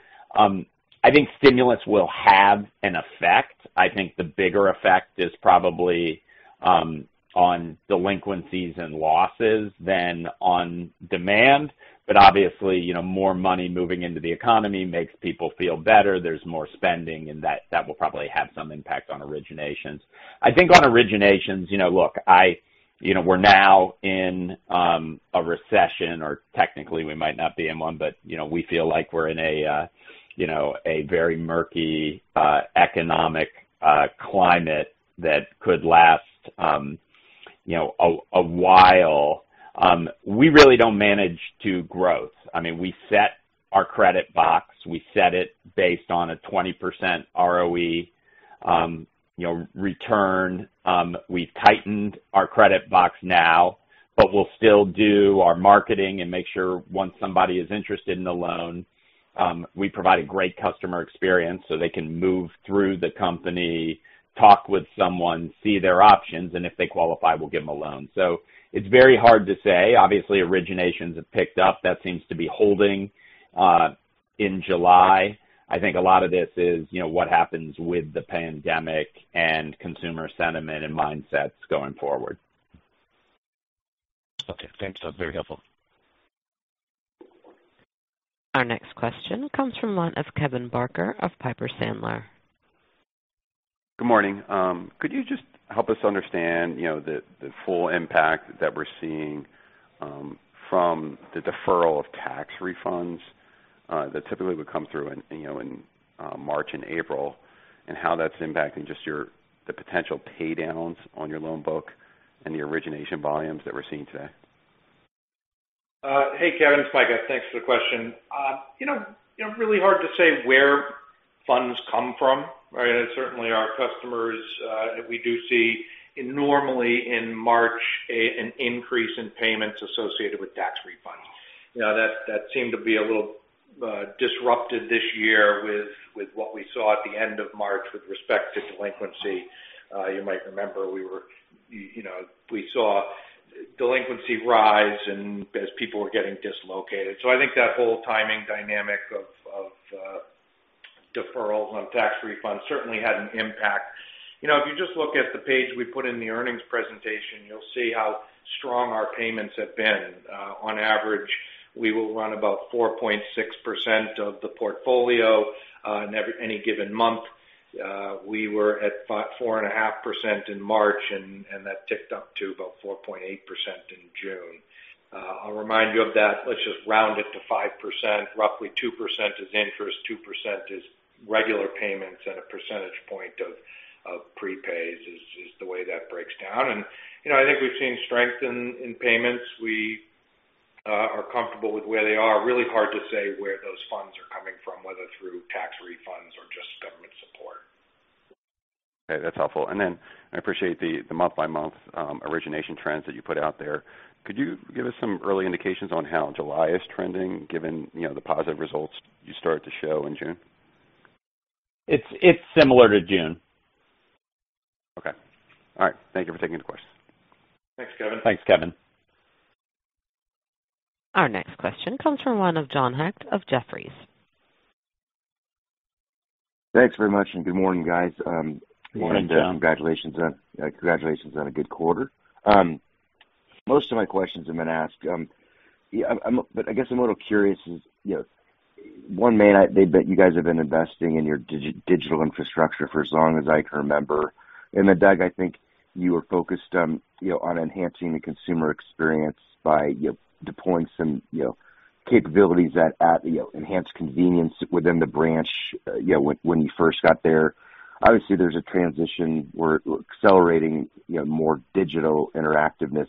I think stimulus will have an effect. I think the bigger effect is probably on delinquencies and losses than on demand, but obviously, more money moving into the economy makes people feel better. There's more spending, and that will probably have some impact on originations. I think on originations, look, we're now in a recession, or technically, we might not be in one, but we feel like we're in a very murky economic climate that could last a while. We really don't manage to growth. I mean, we set our credit box. We set it based on a 20% ROE return. We've tightened our credit box now, but we'll still do our marketing and make sure once somebody is interested in the loan, we provide a great customer experience so they can move through the company, talk with someone, see their options, and if they qualify, we'll give them a loan. So it's very hard to say. Obviously, originations have picked up. That seems to be holding in July. I think a lot of this is what happens with the pandemic and consumer sentiment and mindsets going forward. Okay. Thanks. That's very helpful. Our next question comes from Kevin Barker of Piper Sandler. Good morning. Could you just help us understand the full impact that we're seeing from the deferral of tax refunds that typically would come through in March and April, and how that's impacting just the potential paydowns on your loan book and the origination volumes that we're seeing today? Hey Kevin, it's Micah. Thanks for the question. Really hard to say where funds come from. Certainly, our customers, we do see normally in March an increase in payments associated with tax refunds. That seemed to be a little disrupted this year with what we saw at the end of March with respect to delinquency. You might remember we saw delinquency rise as people were getting dislocated. So I think that whole timing dynamic of deferrals on tax refunds certainly had an impact. If you just look at the page we put in the earnings presentation, you'll see how strong our payments have been. On average, we will run about 4.6% of the portfolio in any given month. We were at 4.5% in March, and that ticked up to about 4.8% in June. I'll remind you of that. Let's just round it to 5%. Roughly 2% is interest, 2% is regular payments, and a percentage point of prepays is the way that breaks down, and I think we've seen strength in payments. We are comfortable with where they are. Really hard to say where those funds are coming from, whether through tax refunds or just government support. Okay. That's helpful. And then I appreciate the month-by-month origination trends that you put out there. Could you give us some early indications on how July is trending given the positive results you started to show in June? It's similar to June. Okay. All right. Thank you for taking the question. Thanks, Kevin. Thanks, Kevin. Our next question comes from John Hecht of Jefferies. Thanks very much, and good morning, guys. Good morning, John. Congratulations on a good quarter. Most of my questions have been asked, but I guess I'm a little curious. Is OneMain, you guys have been investing in your digital infrastructure for as long as I can remember? And then, Doug, I think you were focused on enhancing the consumer experience by deploying some capabilities that enhance convenience within the branch when you first got there. Obviously, there's a transition where accelerating more digital interactiveness.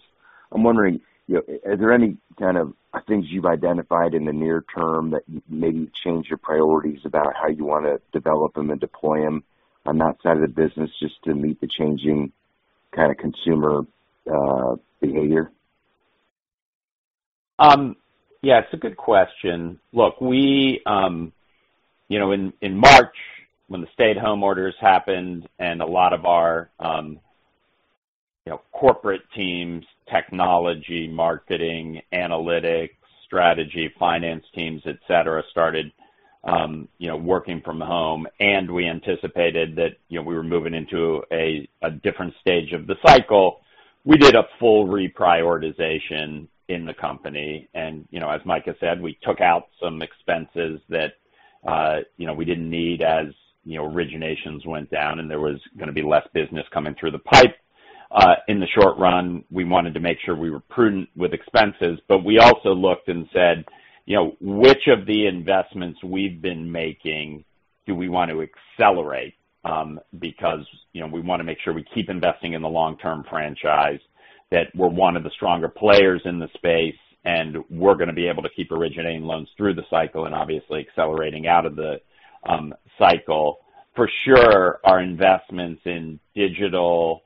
I'm wondering, are there any kind of things you've identified in the near term that maybe change your priorities about how you want to develop them and deploy them on that side of the business just to meet the changing kind of consumer behavior? Yeah. It's a good question. Look, in March, when the stay-at-home orders happened and a lot of our corporate teams, technology, marketing, analytics, strategy, finance teams, etc., started working from home, and we anticipated that we were moving into a different stage of the cycle, we did a full reprioritization in the company. And as Micah said, we took out some expenses that we didn't need as originations went down, and there was going to be less business coming through the pipe. In the short run, we wanted to make sure we were prudent with expenses, but we also looked and said, "Which of the investments we've been making do we want to accelerate?" Because we want to make sure we keep investing in the long-term franchise that we're one of the stronger players in the space, and we're going to be able to keep originating loans through the cycle and obviously accelerating out of the cycle. For sure, our investments in digital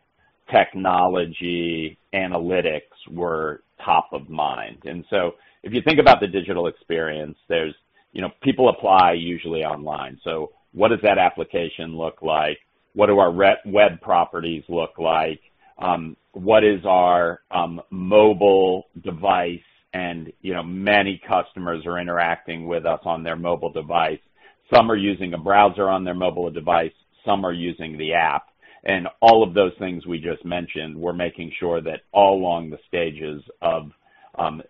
technology analytics were top of mind, and so if you think about the digital experience, people apply usually online. So what does that application look like? What do our web properties look like? What is our mobile device? And many customers are interacting with us on their mobile device. Some are using a browser on their mobile device. Some are using the app. And all of those things we just mentioned, we're making sure that all along the stages of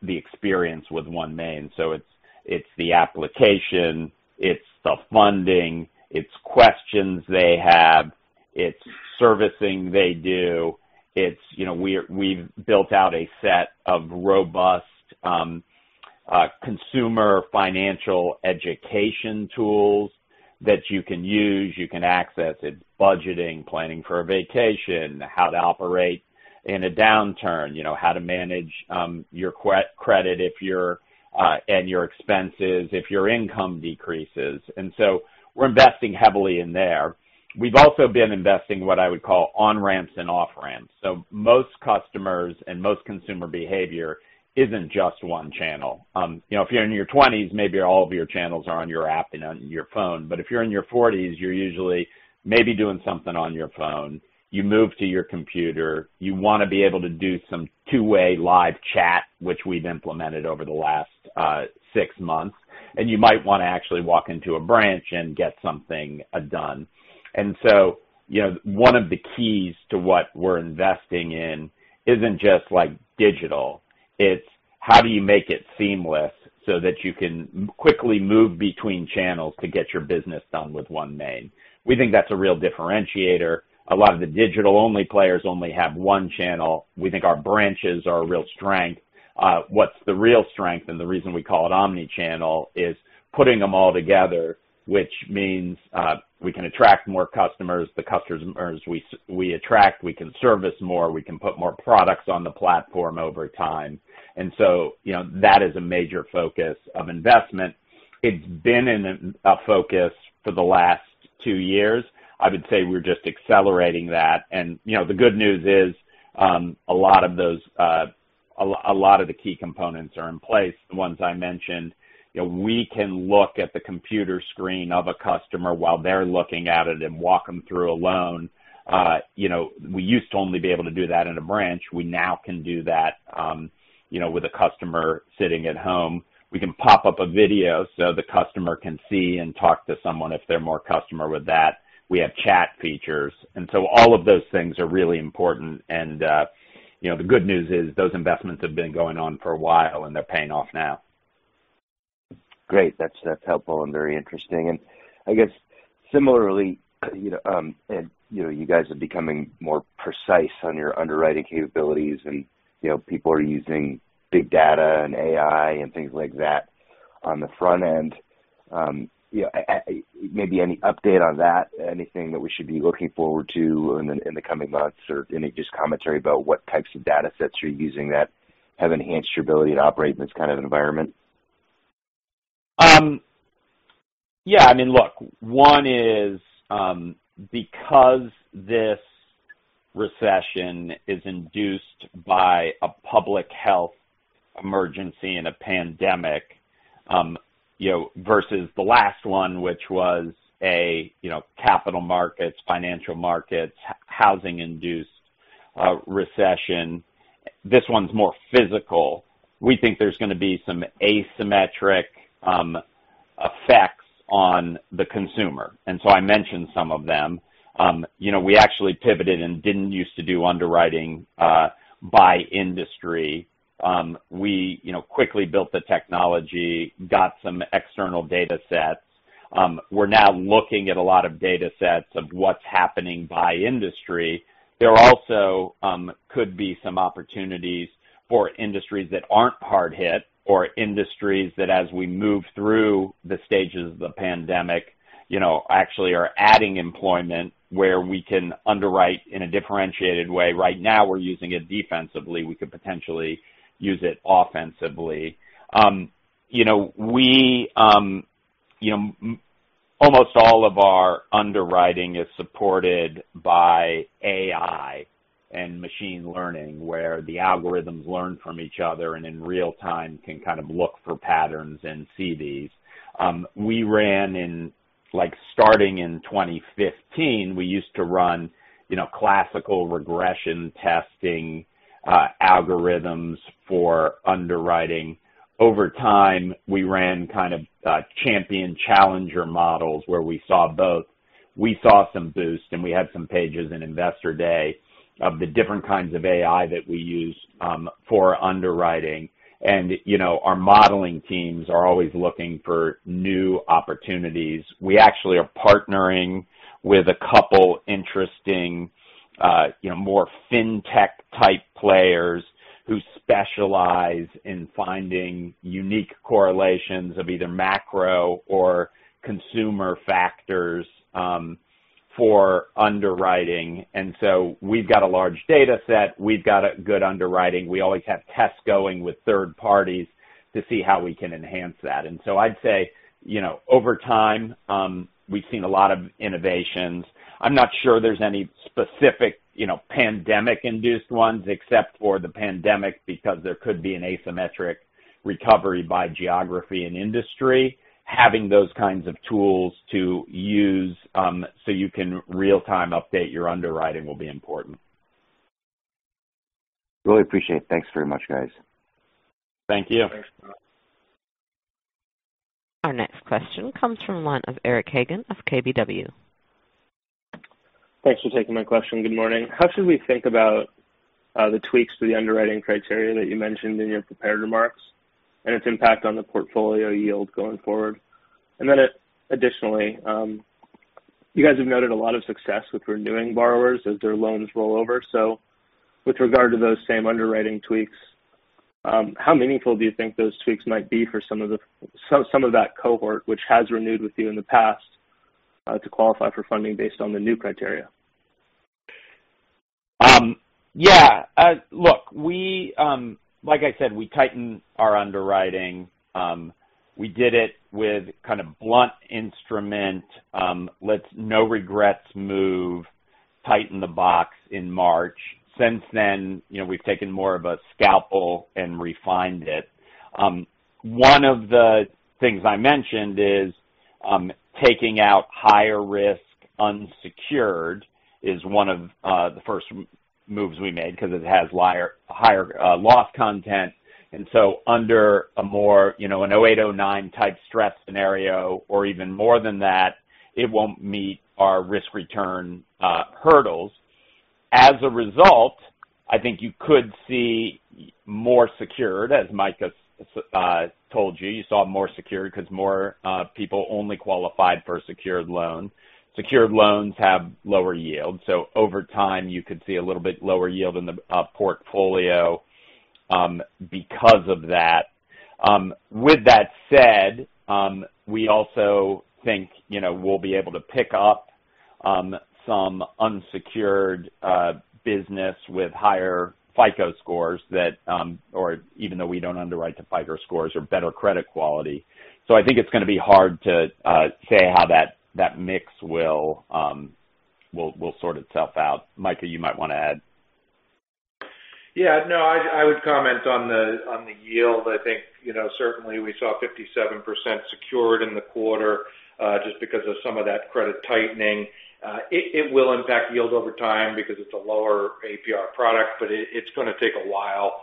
the experience with OneMain. So it's the application. It's the funding. It's questions they have. It's servicing they do. We've built out a set of robust consumer financial education tools that you can use. You can access it: budgeting, planning for a vacation, how to operate in a downturn, how to manage your credit and your expenses if your income decreases. And so we're investing heavily in there. We've also been investing in what I would call on-ramps and off-ramps. So most customers and most consumer behavior isn't just one channel. If you're in your 20s, maybe all of your channels are on your app and on your phone. But if you're in your 40s, you're usually maybe doing something on your phone. You move to your computer. You want to be able to do some two-way live chat, which we've implemented over the last six months. And you might want to actually walk into a branch and get something done. And so one of the keys to what we're investing in isn't just digital. It's how do you make it seamless so that you can quickly move between channels to get your business done with OneMain? We think that's a real differentiator. A lot of the digital-only players only have one channel. We think our branches are a real strength. What's the real strength? And the reason we call it omnichannel is putting them all together, which means we can attract more customers. The customers we attract, we can service more. We can put more products on the platform over time. And so that is a major focus of investment. It's been a focus for the last two years. I would say we're just accelerating that, and the good news is a lot of the key components are in place, the ones I mentioned. We can look at the computer screen of a customer while they're looking at it and walk them through a loan. We used to only be able to do that in a branch. We now can do that with a customer sitting at home. We can pop up a video so the customer can see and talk to someone if they're more comfortable with that. We have chat features. And so all of those things are really important. And the good news is those investments have been going on for a while, and they're paying off now. Great. That's helpful and very interesting, and I guess similarly, you guys are becoming more precise on your underwriting capabilities, and people are using big data and AI and things like that on the front end. Maybe any update on that, anything that we should be looking forward to in the coming months, or any just commentary about what types of data sets you're using that have enhanced your ability to operate in this kind of environment? Yeah. I mean, look, one is because this recession is induced by a public health emergency and a pandemic versus the last one, which was a capital markets, financial markets, housing-induced recession. This one's more physical. We think there's going to be some asymmetric effects on the consumer. And so I mentioned some of them. We actually pivoted and didn't use to do underwriting by industry. We quickly built the technology, got some external data sets. We're now looking at a lot of data sets of what's happening by industry. There also could be some opportunities for industries that aren't hard hit or industries that, as we move through the stages of the pandemic, actually are adding employment where we can underwrite in a differentiated way. Right now, we're using it defensively. We could potentially use it offensively. Almost all of our underwriting is supported by AI and machine learning, where the algorithms learn from each other and in real time can kind of look for patterns and see these. We ran in starting in 2015, we used to run classical regression testing algorithms for underwriting. Over time, we ran kind of champion challenger models where we saw both. We saw some boost, and we had some pages in Investor Day of the different kinds of AI that we use for underwriting, and our modeling teams are always looking for new opportunities. We actually are partnering with a couple of interesting, more fintech-type players who specialize in finding unique correlations of either macro or consumer factors for underwriting, and so we've got a large data set. We've got good underwriting. We always have tests going with third parties to see how we can enhance that. And so I'd say over time, we've seen a lot of innovations. I'm not sure there's any specific pandemic-induced ones except for the pandemic because there could be an asymmetric recovery by geography and industry. Having those kinds of tools to use so you can real-time update your underwriting will be important. Really appreciate it. Thanks very much, guys. Thank you. Thanks. Our next question comes from Eric Hagen of KBW. Thanks for taking my question. Good morning. How should we think about the tweaks to the underwriting criteria that you mentioned in your prepared remarks and its impact on the portfolio yield going forward? And then additionally, you guys have noted a lot of success with renewing borrowers as their loans roll over. So with regard to those same underwriting tweaks, how meaningful do you think those tweaks might be for some of that cohort which has renewed with you in the past to qualify for funding based on the new criteria? Yeah. Look, like I said, we tighten our underwriting. We did it with kind of blunt instrument, let's no regrets move, tighten the box in March. Since then, we've taken more of a scalpel and refined it. One of the things I mentioned is taking out higher risk unsecured is one of the first moves we made because it has higher loss content. And so under a more an 0809-type stress scenario or even more than that, it won't meet our risk return hurdles. As a result, I think you could see more secured, as Micah told you. You saw more secured because more people only qualified for a secured loan. Secured loans have lower yield. So over time, you could see a little bit lower yield in the portfolio because of that. With that said, we also think we'll be able to pick up some unsecured business with higher FICO scores that, or even though we don't underwrite to FICO scores, are better credit quality. So I think it's going to be hard to say how that mix will sort itself out. Micah, you might want to add. Yeah. No, I would comment on the yield. I think certainly we saw 57% secured in the quarter just because of some of that credit tightening. It will impact yield over time because it's a lower APR product, but it's going to take a while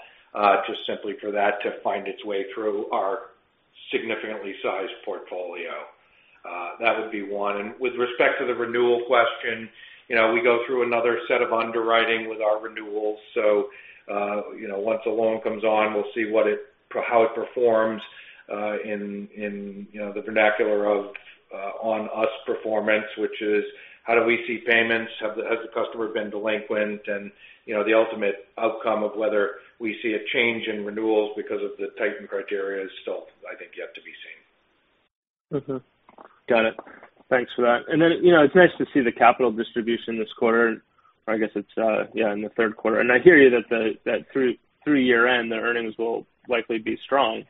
just simply for that to find its way through our significantly sized portfolio. That would be one. And with respect to the renewal question, we go through another set of underwriting with our renewals. So once a loan comes on, we'll see how it performs in the vernacular of on-us performance, which is how do we see payments? Has the customer been delinquent? And the ultimate outcome of whether we see a change in renewals because of the tightened criteria is still, I think, yet to be seen. Got it. Thanks for that. And then it's nice to see the capital distribution this quarter. I guess it's, yeah, in the Q3. And I hear you that through year-end, the earnings will likely be strong.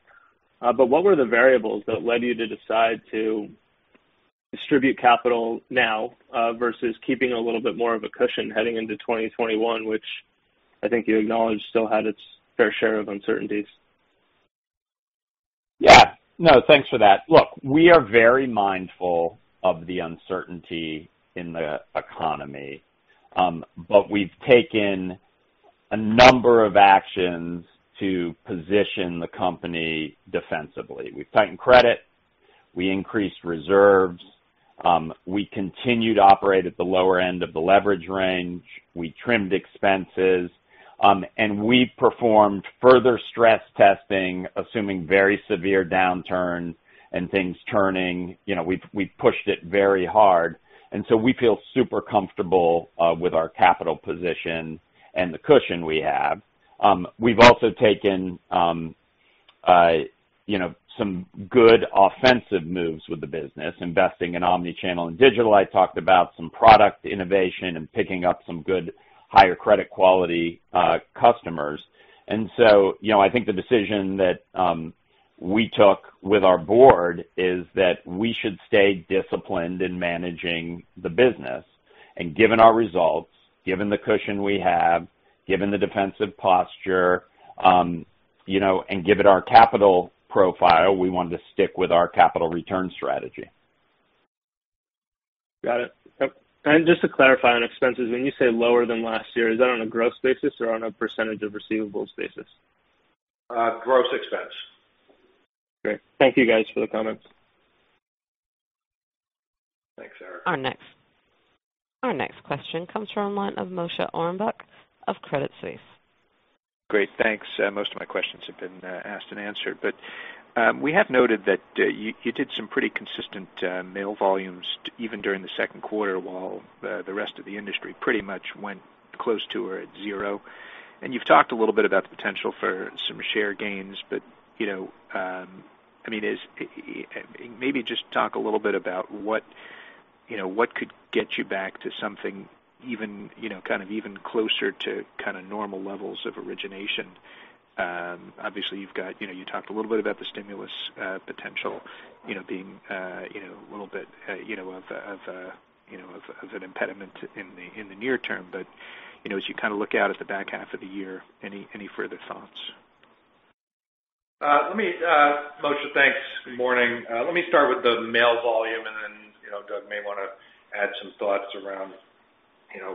But what were the variables that led you to decide to distribute capital now versus keeping a little bit more of a cushion heading into 2021, which I think you acknowledge still had its fair share of uncertainties? Yeah. No, thanks for that. Look, we are very mindful of the uncertainty in the economy, but we've taken a number of actions to position the company defensively. We've tightened credit. We increased reserves. We continued to operate at the lower end of the leverage range. We trimmed expenses. And we performed further stress testing, assuming very severe downturns and things turning. We pushed it very hard. And so we feel super comfortable with our capital position and the cushion we have. We've also taken some good offensive moves with the business, investing in omnichannel and digital. I talked about some product innovation and picking up some good higher credit quality customers. And so I think the decision that we took with our board is that we should stay disciplined in managing the business. Given our results, given the cushion we have, given the defensive posture, and given our capital profile, we want to stick with our capital return strategy. Got it. Just to clarify on expenses, when you say lower than last year, is that on a gross basis or on a percentage of receivables basis? Gross expense. Great. Thank you, guys, for the comments. Thanks, Eric. Our next question comes from Moshe Orenbuch of Credit Suisse. Great. Thanks. Most of my questions have been asked and answered. But we have noted that you did some pretty consistent mail volumes even during theQ2 while the rest of the industry pretty much went close to or at zero. And you've talked a little bit about the potential for some share gains. But I mean, maybe just talk a little bit about what could get you back to something kind of even closer to kind of normal levels of origination. Obviously, you've talked a little bit about the stimulus potential being a little bit of an impediment in the near term. But as you kind of look out at the back half of the year, any further thoughts? Moshe, thanks. Good morning. Let me start with the mail volume, and then Doug may want to add some thoughts around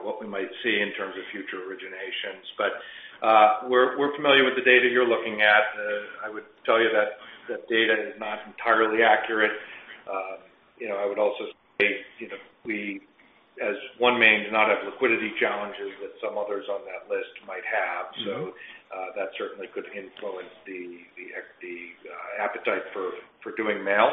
what we might see in terms of future originations. But we're familiar with the data you're looking at. I would tell you that that data is not entirely accurate. I would also say we, as OneMain, do not have liquidity challenges that some others on that list might have. So that certainly could influence the appetite for doing mail.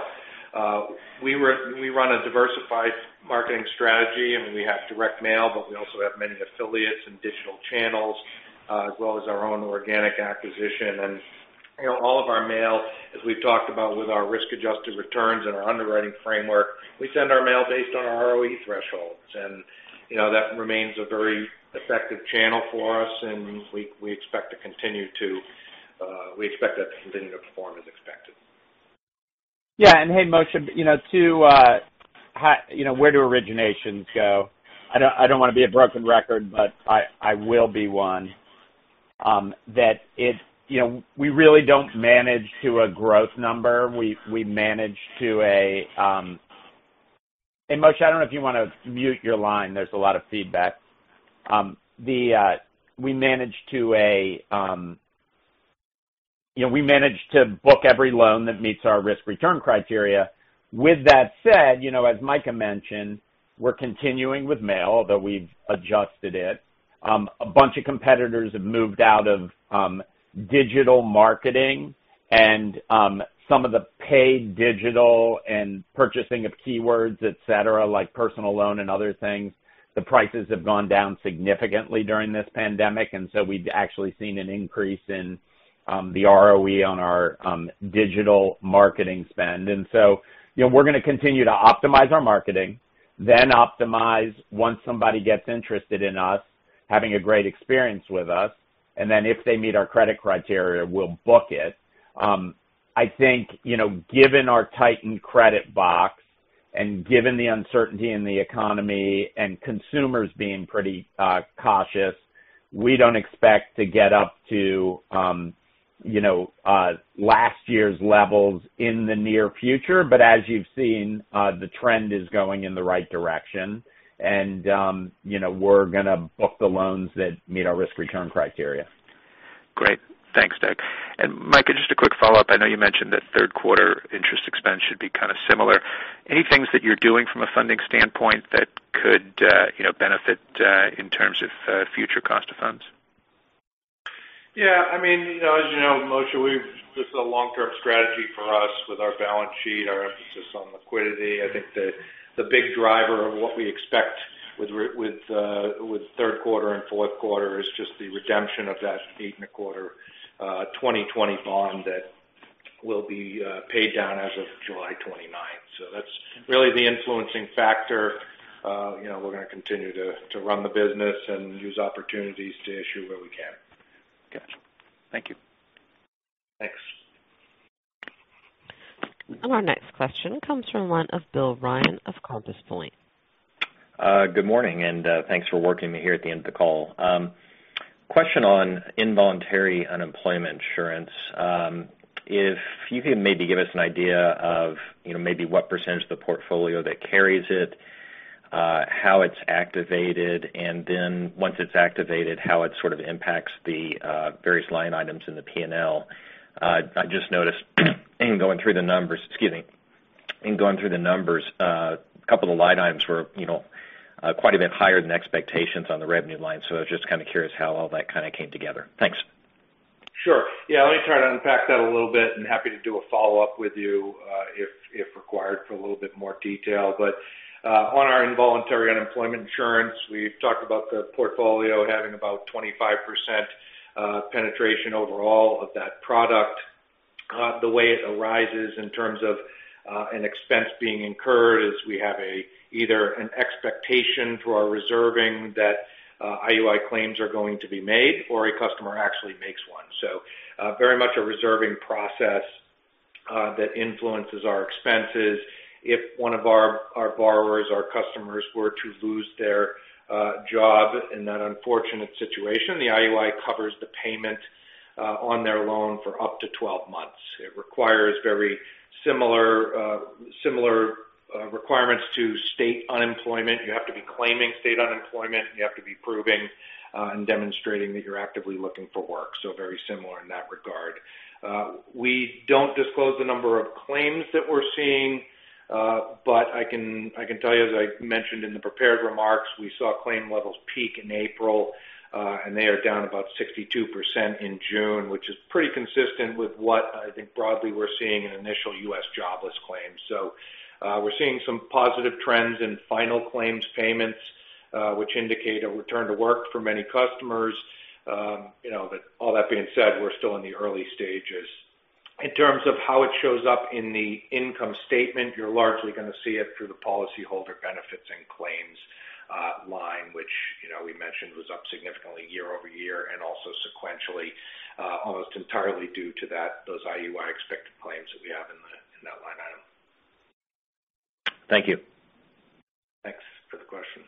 We run a diversified marketing strategy, and we have direct mail, but we also have many affiliates and digital channels as well as our own organic acquisition. And all of our mail, as we've talked about with our risk-adjusted returns and our underwriting framework, we send our mail based on our ROE thresholds. That remains a very effective channel for us, and we expect that to continue to perform as expected. Yeah. And hey, Moshe, to where do originations go? I don't want to be a broken record, but I will be one. That we really don't manage to a growth number. We manage to a hey, Moshe, I don't know if you want to mute your line. There's a lot of feedback. We manage to book every loan that meets our risk return criteria. With that said, as Micah mentioned, we're continuing with mail, although we've adjusted it. A bunch of competitors have moved out of digital marketing and some of the paid digital and purchasing of keywords, etc., like personal loan and other things. The prices have gone down significantly during this pandemic, and so we've actually seen an increase in the ROE on our digital marketing spend. And so we're going to continue to optimize our marketing, then optimize once somebody gets interested in us, having a great experience with us. And then if they meet our credit criteria, we'll book it. I think given our tightened credit box and given the uncertainty in the economy and consumers being pretty cautious, we don't expect to get up to last year's levels in the near future. But as you've seen, the trend is going in the right direction, and we're going to book the loans that meet our risk return criteria. Great. Thanks, Doug. And Micah, just a quick follow-up. I know you mentioned that Q3 interest expense should be kind of similar. Any things that you're doing from a funding standpoint that could benefit in terms of future cost of funds? Yeah. I mean, as you know, Moshe, this is a long-term strategy for us with our balance sheet, our emphasis on liquidity. I think the big driver of what we expect with Q3 andQ4 is just the redemption of that 8.25 2020 bond that will be paid down as of July 29th. So that's really the influencing factor. We're going to continue to run the business and use opportunities to issue where we can. Gotcha. Thank you. Thanks. Our next question comes from Bill Ryan of Compass Point. Good morning, and thanks for working me here at the end of the call. Question on involuntary unemployment insurance. If you could maybe give us an idea of maybe what percentage of the portfolio that carries it, how it's activated, and then once it's activated, how it sort of impacts the various line items in the P&L. I just noticed, excuse me, in going through the numbers, a couple of the line items were quite a bit higher than expectations on the revenue line. So I was just kind of curious how all that kind of came together. Thanks. Sure. Yeah. Let me try to unpack that a little bit. I'm happy to do a follow-up with you if required for a little bit more detail. But on our involuntary unemployment insurance, we've talked about the portfolio having about 25% penetration overall of that product. The way it arises in terms of an expense being incurred is we have either an expectation for our reserving that IUI claims are going to be made or a customer actually makes one. So very much a reserving process that influences our expenses. If one of our borrowers, our customers, were to lose their job in that unfortunate situation, the IUI covers the payment on their loan for up to 12 months. It requires very similar requirements to state unemployment. You have to be claiming state unemployment, and you have to be proving and demonstrating that you're actively looking for work. So very similar in that regard. We don't disclose the number of claims that we're seeing, but I can tell you, as I mentioned in the prepared remarks, we saw claim levels peak in April, and they are down about 62% in June, which is pretty consistent with what I think broadly we're seeing in initial U.S. jobless claims. So we're seeing some positive trends in final claims payments, which indicate a return to work for many customers. But all that being said, we're still in the early stages. In terms of how it shows up in the income statement, you're largely going to see it through the policyholder benefits and claims line, which we mentioned was up significantly year over year and also sequentially, almost entirely due to those IUI expected claims that we have in that line item. Thank you. Thanks for the question.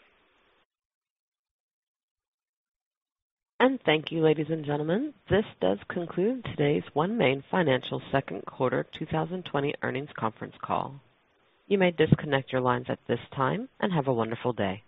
And thank you, ladies and gentlemen. This does conclude today's OneMain FinancialQ2 2020 earnings conference call. You may disconnect your lines at this time and have a wonderful day.